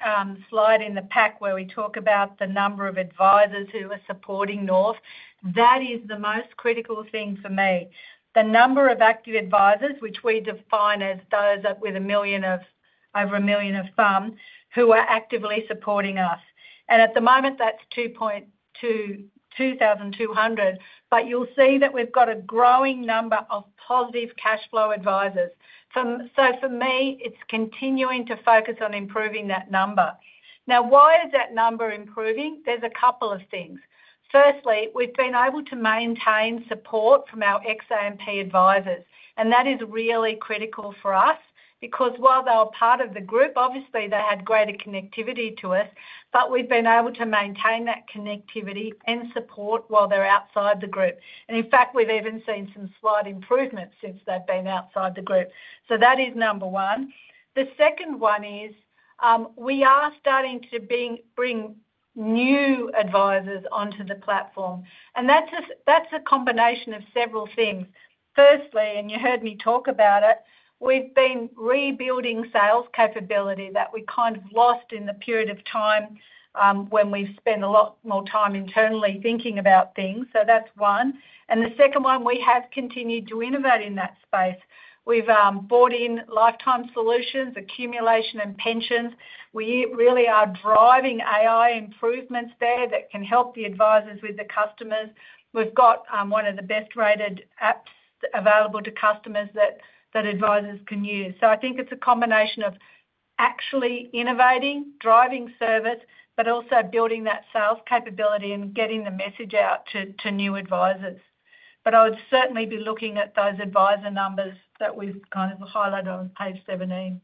slide in the pack where we talk about the number of advisors who are supporting North, that is the most critical thing for me. The number of active advisors, which we define as those with over $1 million of funds who are actively supporting us, at the moment, that's 2,200. You'll see that we've got a growing number of positive cash flow advisors. For me, it's continuing to focus on improving that number. Now, why is that number improving? There are a couple of things. Firstly, we've been able to maintain support from our ex-AMP advisors. That is really critical for us because while they're part of the group, obviously, they had greater connectivity to us. We've been able to maintain that connectivity and support while they're outside the group. In fact, we've even seen some slight improvements since they've been outside the group. That is number one. The second one is we are starting to bring new advisors onto the platform. That's a combination of several things. Firstly, and you heard me talk about it, we've been rebuilding sales capability that we kind of lost in the period of time when we've spent a lot more time internally thinking about things. That's one. The second one, we have continued to innovate in that space. We've brought in Lifetime Solutions, accumulation, and pensions. We really are driving AI improvements there that can help the advisors with the customers. We've got one of the best-rated apps available to customers that advisors can use. I think it's a combination of actually innovating, driving service, but also building that sales capability and getting the message out to new advisors. I would certainly be looking at those advisor numbers that we've highlighted on page 17.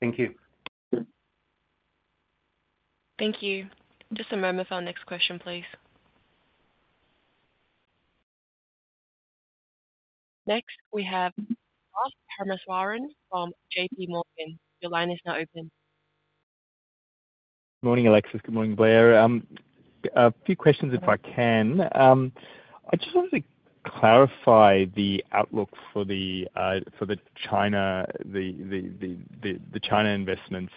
Thank you. Thank you. Just a moment for our next question, please. Next, we have Thomas Warren from JP Morgan. Your line is now open. Morning, Alexis. Good morning, Blair. A few questions if I can. I just wanted to clarify the outlook for the China investments.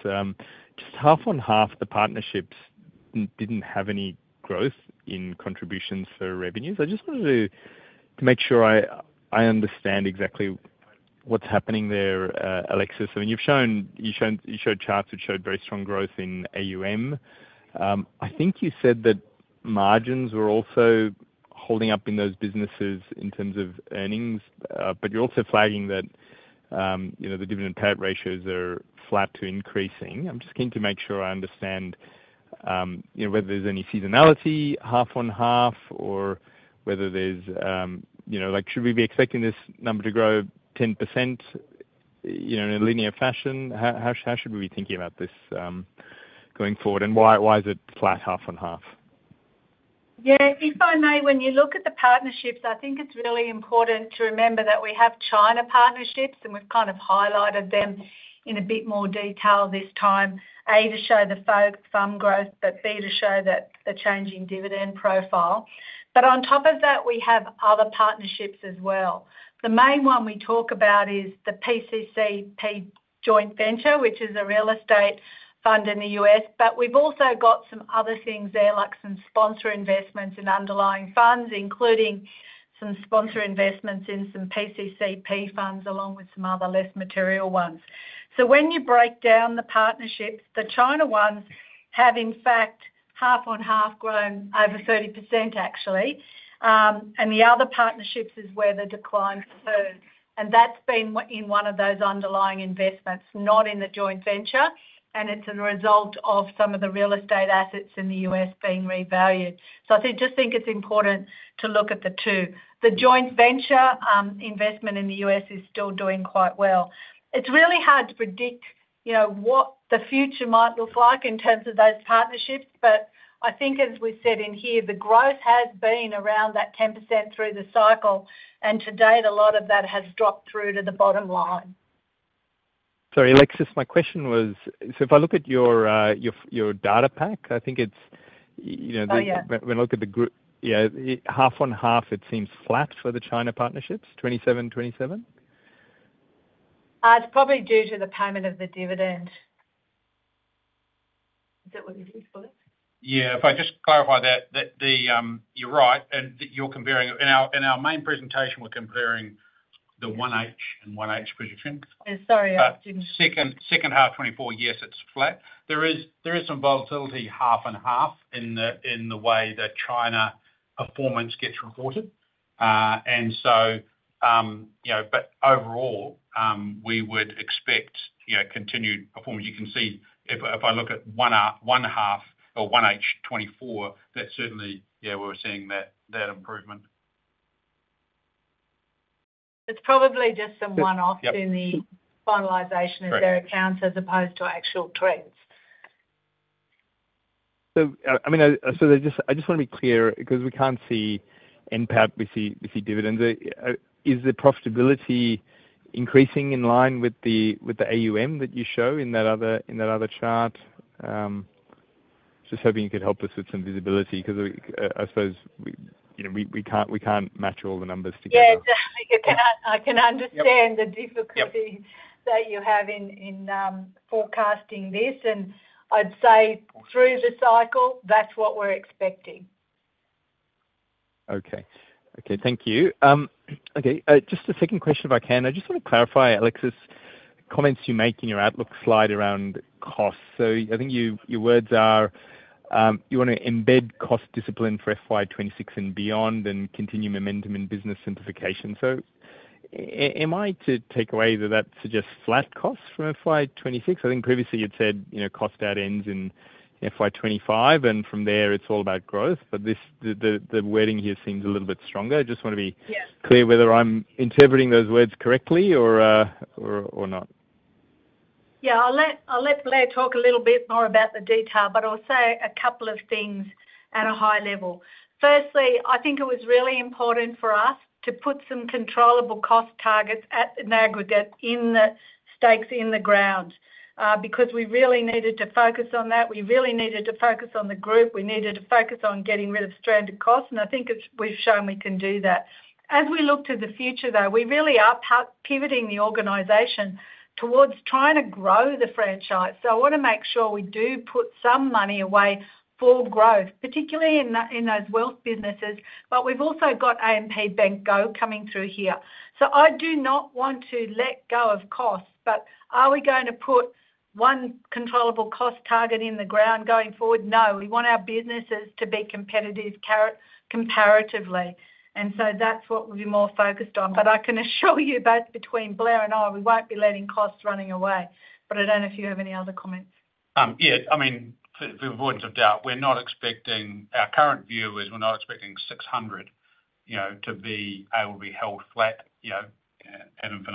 Just half on half, the partnerships didn't have any growth in contributions for revenues. I just wanted to make sure I understand exactly what's happening there, Alexis. I mean, you showed charts which showed very strong growth in AUM. I think you said that margins were also holding up in those businesses in terms of earnings, but you're also flagging that the dividend payout ratios are flat to increasing. I'm just keen to make sure I understand whether there's any seasonality half on half or whether there's, you know, like should we be expecting this number to grow 10% in a linear fashion? How should we be thinking about this going forward? Why is it flat half on half? Yeah, if I may, when you look at the partnerships, I think it's really important to remember that we have China partnerships, and we've kind of highlighted them in a bit more detail this time, A, to show the AUM growth, but B, to show the changing dividend profile. On top of that, we have other partnerships as well. The main one we talk about is the PCCP joint venture, which is a real estate fund in the U.S., but we've also got some other things there, like some sponsor investments in underlying funds, including some sponsor investments in some PCCP funds along with some other less material ones. When you break down the partnerships, the China ones have, in fact, half on half grown over 30%, actually. The other partnerships are where the decline occurred, and that's been in one of those underlying investments, not in the joint venture. It's a result of some of the real estate assets in the U.S. being revalued. I just think it's important to look at the two. The joint venture investment in the U.S. is still doing quite well. It's really hard to predict what the future might look like in terms of those partnerships, but I think, as we said in here, the growth has been around that 10% through the cycle. To date, a lot of that has dropped through to the bottom line. Sorry, Alexis, my question was, if I look at your data pack, I think it's, you know, when I look at the group, half on half, it seems flat for the China partnerships, 27-27. It's probably due to the payment of the dividend. Is that what you thought? Yeah, if I just clarify that, you're right, and you're comparing, in our main presentation, we're comparing the 1H and 1H positions. Sorry, I didn't. Second half 2024, yes, it's flat. There is some volatility half and half in the way that China performance gets reported. Overall, we would expect continued performance. You can see, if I look at one half or 1H 2024, that certainly, yeah, we're seeing that improvement. It's probably just some one-offs in the finalization of their accounts, as opposed to actual trends. I just want to be clear because we can't see NPAB, we see dividends. Is the profitability increasing in line with the AUM that you show in that other chart? Just hoping you could help us with some visibility because I suppose we can't match all the numbers together. Yeah, I can understand the difficulty you have in forecasting this. I'd say through the cycle, that's what we're expecting. Okay, thank you. Just a second question if I can. I just want to clarify, Alexis, comments you make in your outlook slide around costs. I think your words are, you want to embed cost discipline for FY26 and beyond and continue momentum in business simplification. Am I to take away that that suggests flat costs from FY26? I think previously you'd said cost out ends in FY25, and from there it's all about growth. The wording here seems a little bit stronger. I just want to be clear whether I'm interpreting those words correctly or not. Yeah, I'll let Blair talk a little bit more about the detail, but I'll say a couple of things at a high level. Firstly, I think it was really important for us to put some controllable cost targets in the stakes in the ground because we really needed to focus on that. We really needed to focus on the group. We needed to focus on getting rid of stranded costs. I think we've shown we can do that. As we look to the future, though, we really are pivoting the organization towards trying to grow the franchise. I want to make sure we do put some money away for growth, particularly in those wealth businesses. We've also got AMP Bank Go coming through here. I do not want to let go of costs, but are we going to put one controllable cost target in the ground going forward? No, we want our businesses to be competitive comparatively. That's what we'll be more focused on. I can assure you, both between Blair and I, we won't be letting costs running away. I don't know if you have any other comments. For the avoidance of doubt, our current view is we're not expecting $600 to be able to be held flat at an item.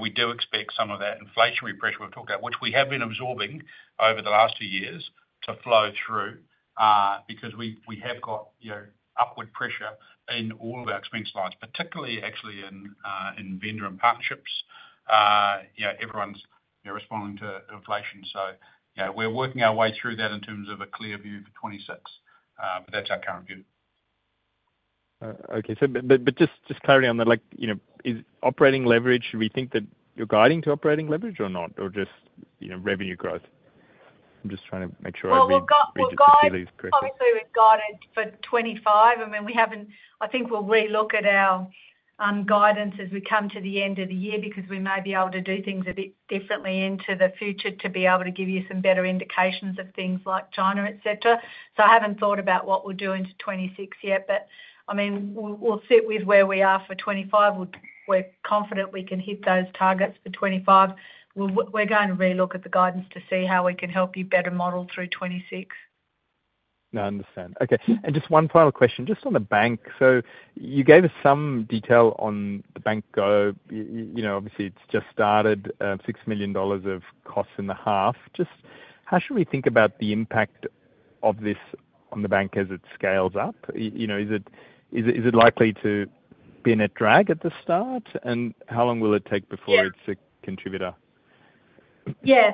We do expect some of that inflationary pressure we've talked about, which we have been absorbing over the last two years, to flow through because we have got upward pressure in all of our expense lines, particularly in vendor and partnerships. Everyone's responding to inflation. We're working our way through that in terms of a clear view for 2026. That's our current view. Okay, just clarity on that, like, you know, is operating leverage, should we think that you're guiding to operating leverage or not, or just, you know, revenue growth? I'm just trying to make sure I've been clear. Obviously, we've guided for 2025. I mean, we haven't, I think we'll relook at our guidance as we come to the end of the year because we may be able to do things a bit differently into the future to be able to give you some better indications of things like China, etc. I haven't thought about what we're doing to 2026 yet. I mean, we'll sit with where we are for 2025. We're confident we can hit those targets for 2025. We're going to relook at the guidance to see how we can help you better model through 2026. No, I understand. Okay. Just one final question, just on the bank. You gave us some detail on the AMP Bank Go. You know, obviously, it's just started, $6 million of costs in the half. Just how should we think about the impact of this on the bank as it scales up? You know, is it likely to be a drag at the start? How long will it take before it's a contributor?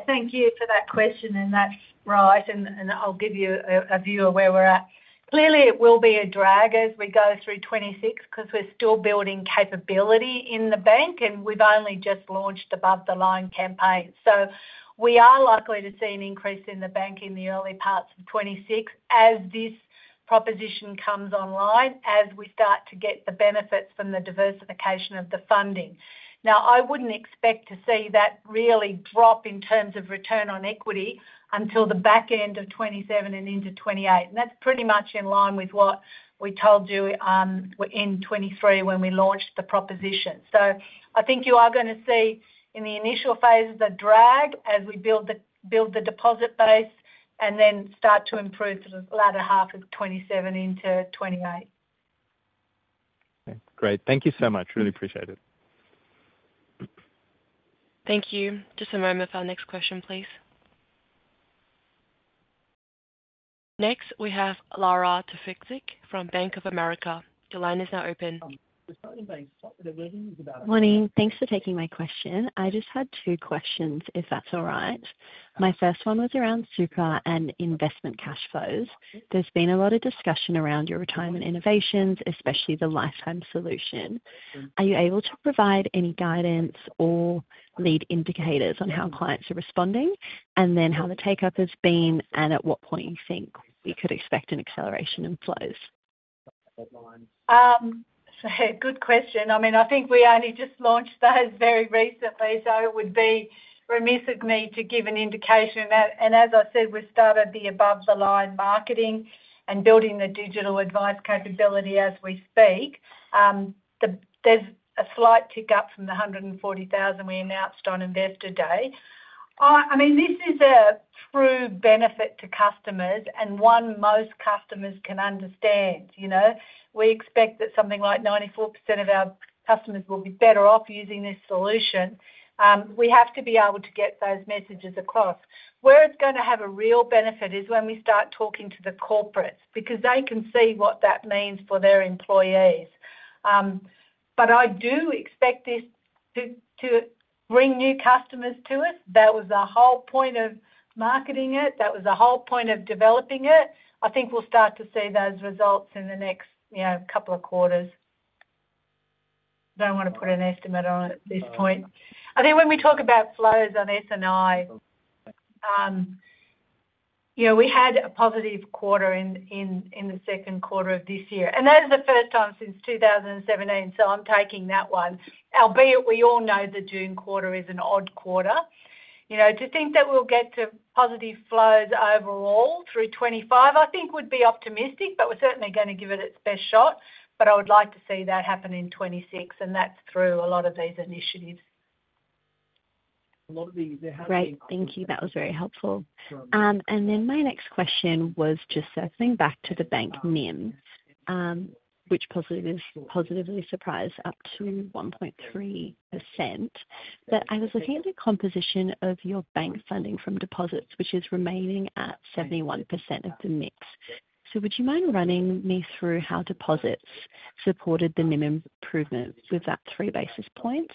Thank you for that question. That's right. I'll give you a view of where we're at. Clearly, it will be a drag as we go through 2026 because we're still building capability in the bank and we've only just launched above-the-line campaign. We are likely to see an increase in the bank in the early parts of 2026 as this proposition comes online, as we start to get the benefits from the diversification of the funding. I wouldn't expect to see that really drop in terms of return on equity until the back end of 2027 and into 2028. That's pretty much in line with what we told you in 2023 when we launched the proposition. I think you are going to see in the initial phases a drag as we build the deposit base and then start to improve to the latter half of 2027 into 2028. Great. Thank you so much. Really appreciate it. Thank you. Just a moment for our next question, please. Next, we have Laura Klepczynski from Bank of America. Your line is now open. Morning. Thanks for taking my question. I just had two questions, if that's all right. My first one was around superannuation and investment cash flows. There's been a lot of discussion around your retirement innovations, especially the Lifetime Solutions. Are you able to provide any guidance or lead indicators on how clients are responding and how the takeup has been and at what point you think we could expect an acceleration in flows? Good question. I think we only just launched those very recently, so it would be remiss of me to give an indication. As I said, we've started the above-the-line marketing and building the digital advice capability as we speak. There's a slight tick up from the 140,000 we announced on Investor Day. This is a true benefit to customers and one most customers can understand. We expect that something like 94% of our customers will be better off using this solution. We have to be able to get those messages across. Where it's going to have a real benefit is when we start talking to the corporates because they can see what that means for their employees. I do expect this to bring new customers to us. That was the whole point of marketing it. That was the whole point of developing it. I think we'll start to see those results in the next couple of quarters. I don't want to put an estimate on it at this point. When we talk about flows on S&I, we had a positive quarter in the second quarter of this year. That is the first time since 2017. I'm taking that one, albeit we all know the June quarter is an odd quarter. To think that we'll get to positive flows overall through 2025, I think would be optimistic, but we're certainly going to give it its best shot. I would like to see that happen in 2026, and that's through a lot of these initiatives. Great. Thank you. That was very helpful. My next question was just circling back to the bank NIM, which positively surprised up to 1.3%. I was looking at the composition of your bank funding from deposits, which is remaining at 71% of the NIM. Would you mind running me through how deposits supported the NIM improvement with that three basis points?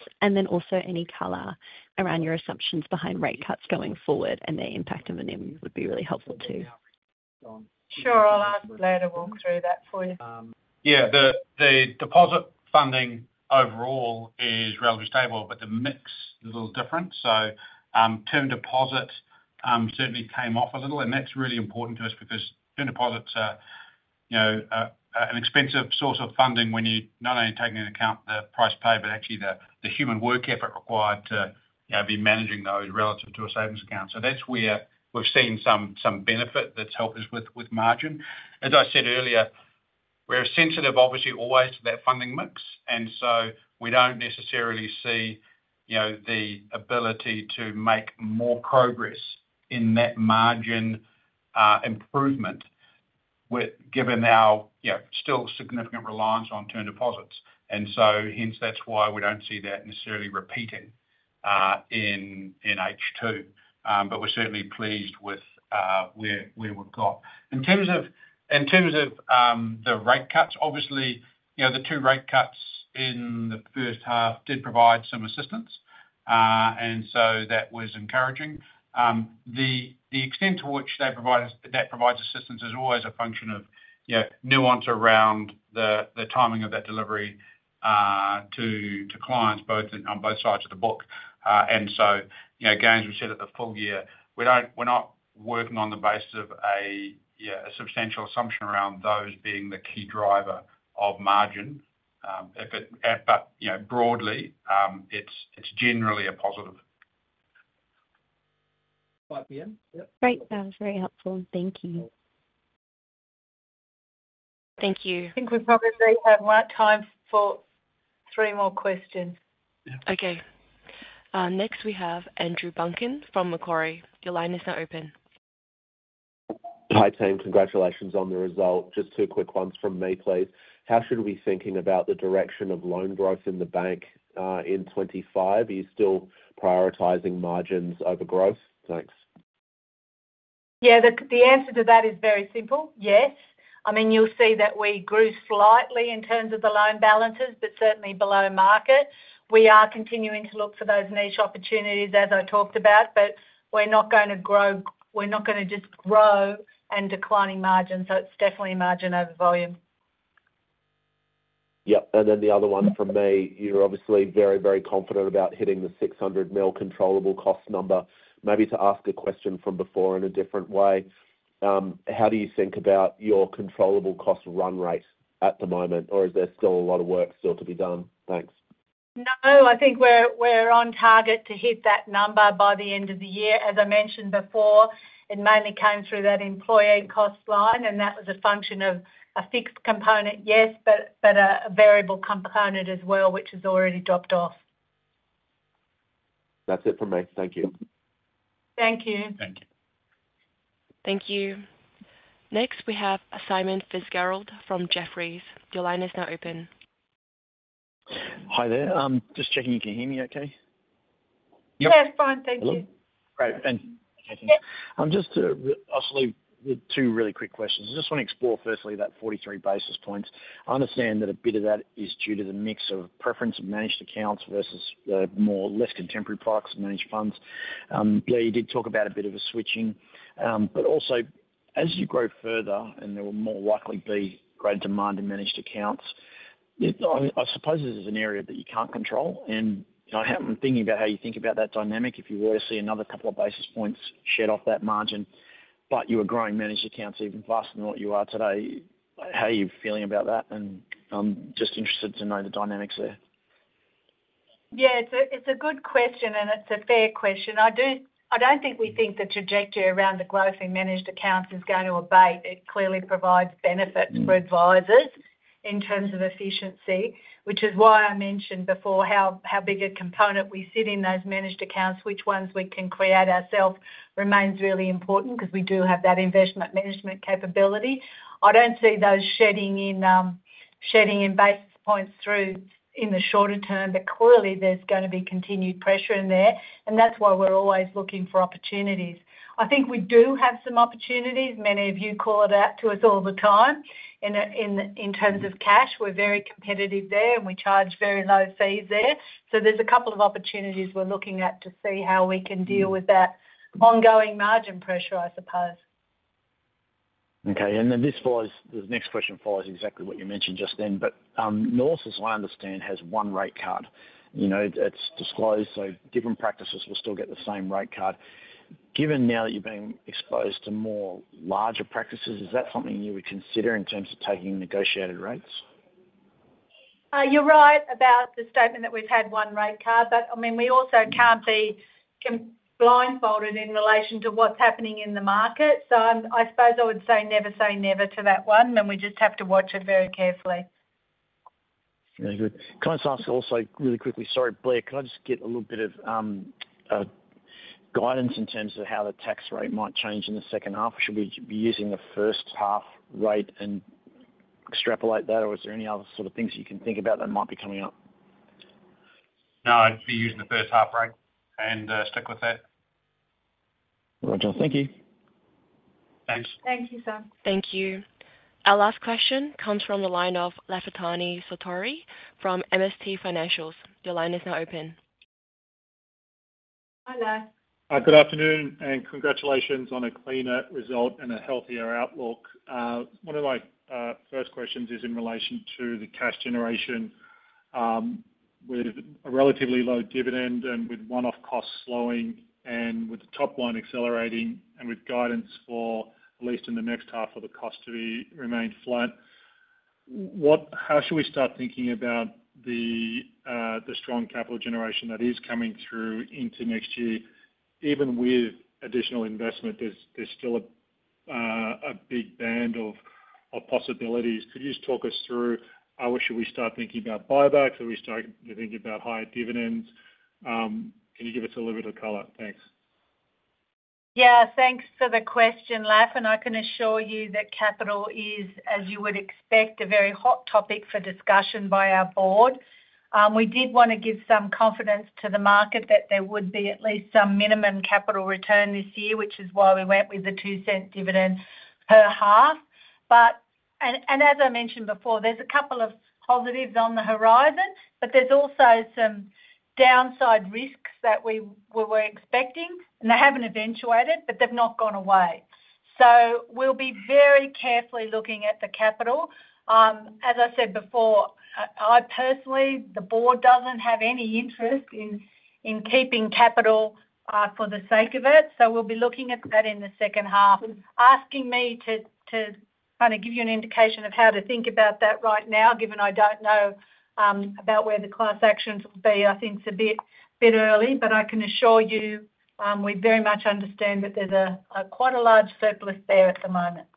Also, any color around your assumptions behind rate cuts going forward and the impact of a NIM would be really helpful too. Sure, I'll ask Blair to walk through that for you. Yeah, the deposit funding overall is relatively stable, but the mix is a little different. Term deposits certainly came off a little, and that's really important to us because term deposits are an expensive source of funding when you're not only taking into account the price paid, but actually the human work effort required to be managing those relative to a savings account. That's where we've seen some benefit that's helped us with margin. As I said earlier, we're sensitive, obviously, always to that funding mix. We don't necessarily see the ability to make more progress in that margin improvement given our still significant reliance on term deposits. That's why we don't see that necessarily repeating in H2. We're certainly pleased with where we've got. In terms of the rate cuts, obviously, the two rate cuts in the first half did provide some assistance. That was encouraging. The extent to which that provides assistance is always a function of nuance around the timing of that delivery to clients on both sides of the book. As we said at the full year, we're not working on the basis of a substantial assumption around those being the key driver of margin. Broadly, it's generally a positive. Great. That was very helpful. Thank you. Thank you. I think we probably have time for three more questions. Yeah. Okay. Next, we have Andrew Buncombe from Macquarie. Your line is now open. Hi, team. Congratulations on the result. Just two quick ones from me, please. How should we be thinking about the direction of loan growth in the bank in 2025? Are you still prioritizing margins over growth? Thanks. Yeah, the answer to that is very simple. Yes. I mean, you'll see that we grew slightly in terms of the loan balances, but certainly below market. We are continuing to look for those niche opportunities, as I talked about, but we're not going to grow. We're not going to just grow on declining margins. It is definitely margin over volume. Yeah. The other one from me, you're obviously very, very confident about hitting the $600 million controllable cost number. Maybe to ask a question from before in a different way, how do you think about your controllable cost run rate at the moment, or is there still a lot of work still to be done? Thanks. No, I think we're on target to hit that number by the end of the year. As I mentioned before, it mainly came through that employee and cost line, and that was a function of a fixed component, yes, but a variable component as well, which has already dropped off. That's it for me. Thank you. Thank you. Thank you. Thank you. Next, we have Simon Fitzgerald from Jefferies. Your line is now open. Hi there, just checking you can hear me okay. Yeah, fine. Thank you. Great. I just want to explore firstly that 43 basis points. I understand that a bit of that is due to the mix of preference of managed accounts versus the more less contemporary products of managed funds. Blair, you did talk about a bit of a switching. Also, as you grow further and there will more likely be greater demand in managed accounts, I suppose this is an area that you can't control. I'm thinking about how you think about that dynamic. If you were to see another couple of basis points shed off that margin, but you were growing managed accounts even faster than what you are today, how are you feeling about that? I'm just interested to know the dynamics there. Yeah, it's a good question, and it's a fair question. I don't think we think the trajectory around the growth in managed accounts is going to abate. It clearly provides benefits for advisors in terms of efficiency, which is why I mentioned before how big a component we sit in those managed accounts. Which ones we can create ourselves remains really important because we do have that investment management capability. I don't see those shedding in basis points through in the shorter term, but clearly there's going to be continued pressure in there. That's why we're always looking for opportunities. I think we do have some opportunities. Many of you call it out to us all the time. In terms of cash, we're very competitive there, and we charge very low fees there. There's a couple of opportunities we're looking at to see how we can deal with that ongoing margin pressure, I suppose. Okay. This next question follows exactly what you mentioned just then. North, as I understand, has one rate card. It's disclosed. Different practices will still get the same rate card. Given now that you're being exposed to more larger practices, is that something you would consider in terms of taking negotiated rates? You're right about the statement that we've had one rate card. I mean, we also can't be blindfolded in relation to what's happening in the market. I suppose I would say never say never to that one. We just have to watch it very carefully. Very good. Can I just ask also really quickly, sorry, Blair, can I just get a little bit of guidance in terms of how the tax rate might change in the second half? Should we be using the first half rate and extrapolate that, or is there any other sort of things that you can think about that might be coming up? No, I'd be using the first half rate and stick with that. Right. Thank you. Thanks. Thank you, sir. Thank you. Our last question comes from the line of Lafitani Satori from MST Financial. Your line is now open. Hello. Good afternoon and congratulations on a cleaner result and a healthier outlook. One of my first questions is in relation to the cash generation with a relatively low dividend and with one-off costs slowing and with the top line accelerating and with guidance for at least in the next half for the cost to remain flat. How should we start thinking about the strong capital generation that is coming through into next year? Even with additional investment, there's still a big band of possibilities. Could you just talk us through how should we start thinking about buybacks? Should we start thinking about higher dividends? Can you give us a little bit of color? Thanks. Yeah, thanks for the question, Laf. I can assure you that capital is, as you would expect, a very hot topic for discussion by our board. We did want to give some confidence to the market that there would be at least some minimum capital return this year, which is why we went with a $0.02 dividend per half. As I mentioned before, there's a couple of positives on the horizon, but there's also some downside risks that we were expecting. They haven't eventuated, but they've not gone away. We'll be very carefully looking at the capital. As I said before, I personally, the board doesn't have any interest in keeping capital for the sake of it. We'll be looking at that in the second half. Asking me to kind of give you an indication of how to think about that right now, given I don't know about where the class actions will go, I think it's a bit early, but I can assure you we very much understand that there's quite a large surplus there at the moment.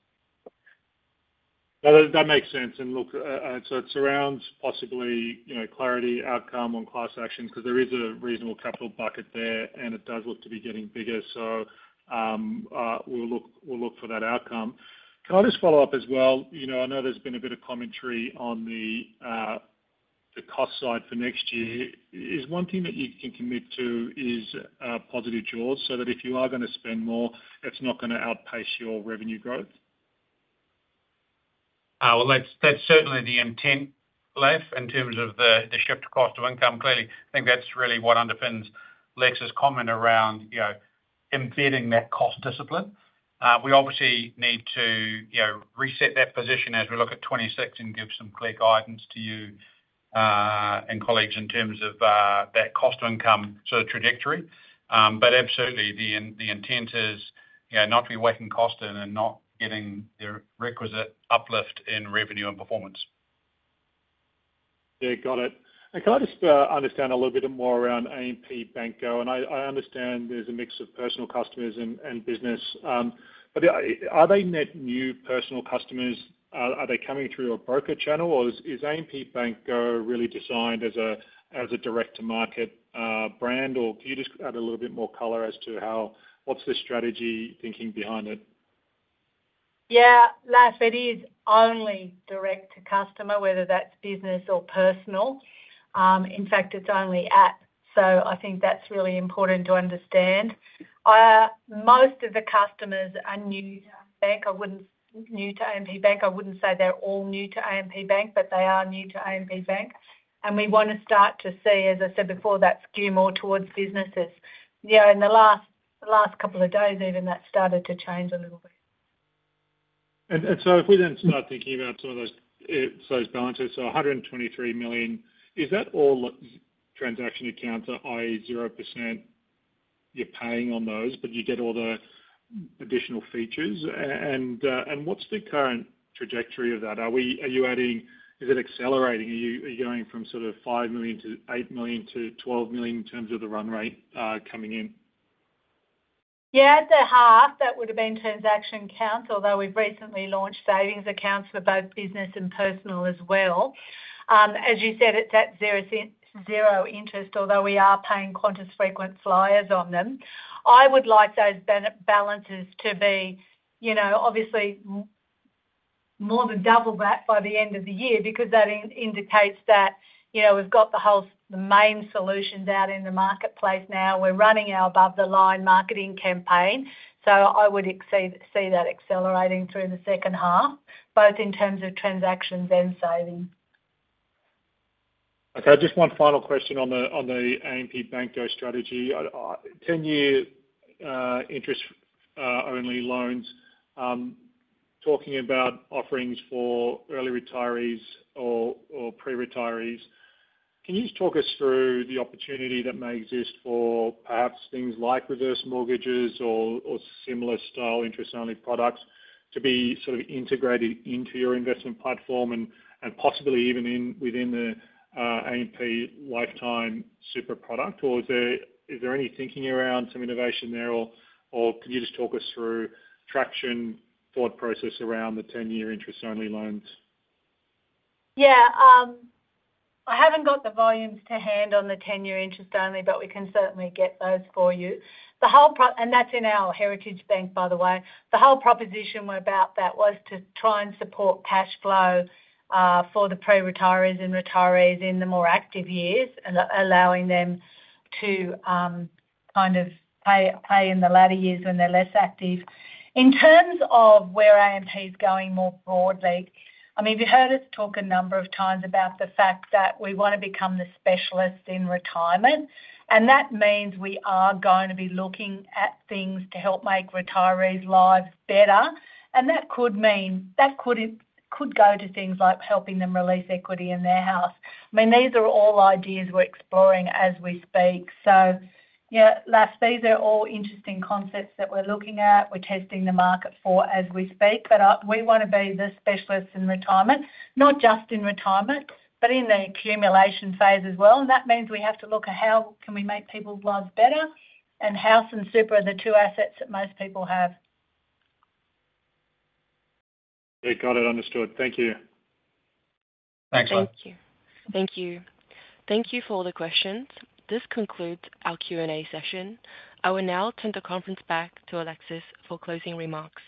That makes sense. It surrounds possibly, you know, clarity outcome on class action because there is a reasonable capital bucket there, and it does look to be getting bigger. We'll look for that outcome. Can I just follow up as well? I know there's been a bit of commentary on the cost side for next year. Is one thing that you can commit to a positive draw so that if you are going to spend more, it's not going to outpace your revenue growth? That is certainly the intent, Laf, in terms of the shift to cost of income. Clearly, I think that is really what underpins Leif's comment around embedding that cost discipline. We obviously need to reset that position as we look at 2026 and give some clear guidance to you and colleagues in terms of that cost of income sort of trajectory. Absolutely, the intent is not to be whacking cost in and not getting the requisite uplift in revenue and performance. Got it. Can I just understand a little bit more around AMP Bank Go? I understand there's a mix of personal customers and business. Are they net new personal customers? Are they coming through a broker channel? Is AMP Bank Go really designed as a direct-to-market brand? Can you just add a little bit more color as to what's the strategy thinking behind it? Yeah, Leif, it is only direct to customer, whether that's business or personal. In fact, it's only app. I think that's really important to understand. Most of the customers are new to AMP Bank. I wouldn't say they're all new to AMP Bank, but they are new to AMP Bank. We want to start to see, as I said before, that skew more towards businesses. In the last couple of days, even that started to change a little bit. If we then start thinking about some of those balances, $123 million, is that all transaction accounts, i.e., 0% you're paying on those, but you get all the additional features? What's the current trajectory of that? Are you adding, is it accelerating? Are you going from sort of $5 million-$8 million-$12 million in terms of the run rate coming in? Yeah, the half that would have been transaction accounts, although we've recently launched savings accounts for both business and personal as well. As you said, it's at zero interest, although we are paying Qantas Frequent Flyers on them. I would like those balances to be, you know, obviously more than double that by the end of the year because that indicates that, you know, we've got the whole main solution down in the marketplace now. We're running our above-the-line marketing campaign. I would see that accelerating through the second half, both in terms of transactions and savings. Okay, just one final question on the AMP Bank Go strategy. 10-year interest-only loans, talking about offerings for early retirees or pre-retirees, can you just talk us through the opportunity that may exist for perhaps things like reverse mortgages or similar style interest-only products to be sort of integrated into your investment platform and possibly even within the AMP Lifetime Super product? Is there any thinking around some innovation there? Could you just talk us through traction, thought process around the 10-year interest-only loans? Yeah, I haven't got the volumes to hand on the 10-year interest-only, but we can certainly get those for you. The whole, and that's in our heritage bank, by the way. The whole proposition about that was to try and support cash flow for the pre-retirees and retirees in the more active years, allowing them to kind of pay in the latter years when they're less active. In terms of where AMP is going more broadly, I mean, you've heard us talk a number of times about the fact that we want to become the specialist in retirement. That means we are going to be looking at things to help make retirees' lives better. That could mean that could go to things like helping them release equity in their house. I mean, these are all ideas we're exploring as we speak. Yeah, Laf, these are all interesting concepts that we're looking at. We're testing the market for as we speak. We want to be the specialists in retirement, not just in retirement, but in the accumulation phase as well. That means we have to look at how can we make people's lives better and how some super are the two assets that most people have. Yeah, got it. Understood. Thank you. Thanks Laf. Thank you. Thank you. Thank you for all the questions. This concludes our Q&A session. I will now turn the conference back to Alexis George for closing remarks.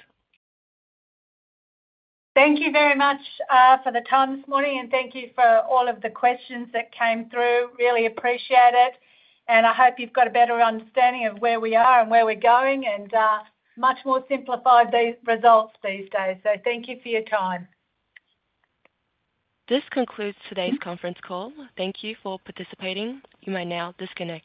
Thank you very much for the time this morning, and thank you for all of the questions that came through. Really appreciate it. I hope you've got a better understanding of where we are and where we're going, and much more simplified these results these days. Thank you for your time. This concludes today's conference call. Thank you for participating. You may now disconnect.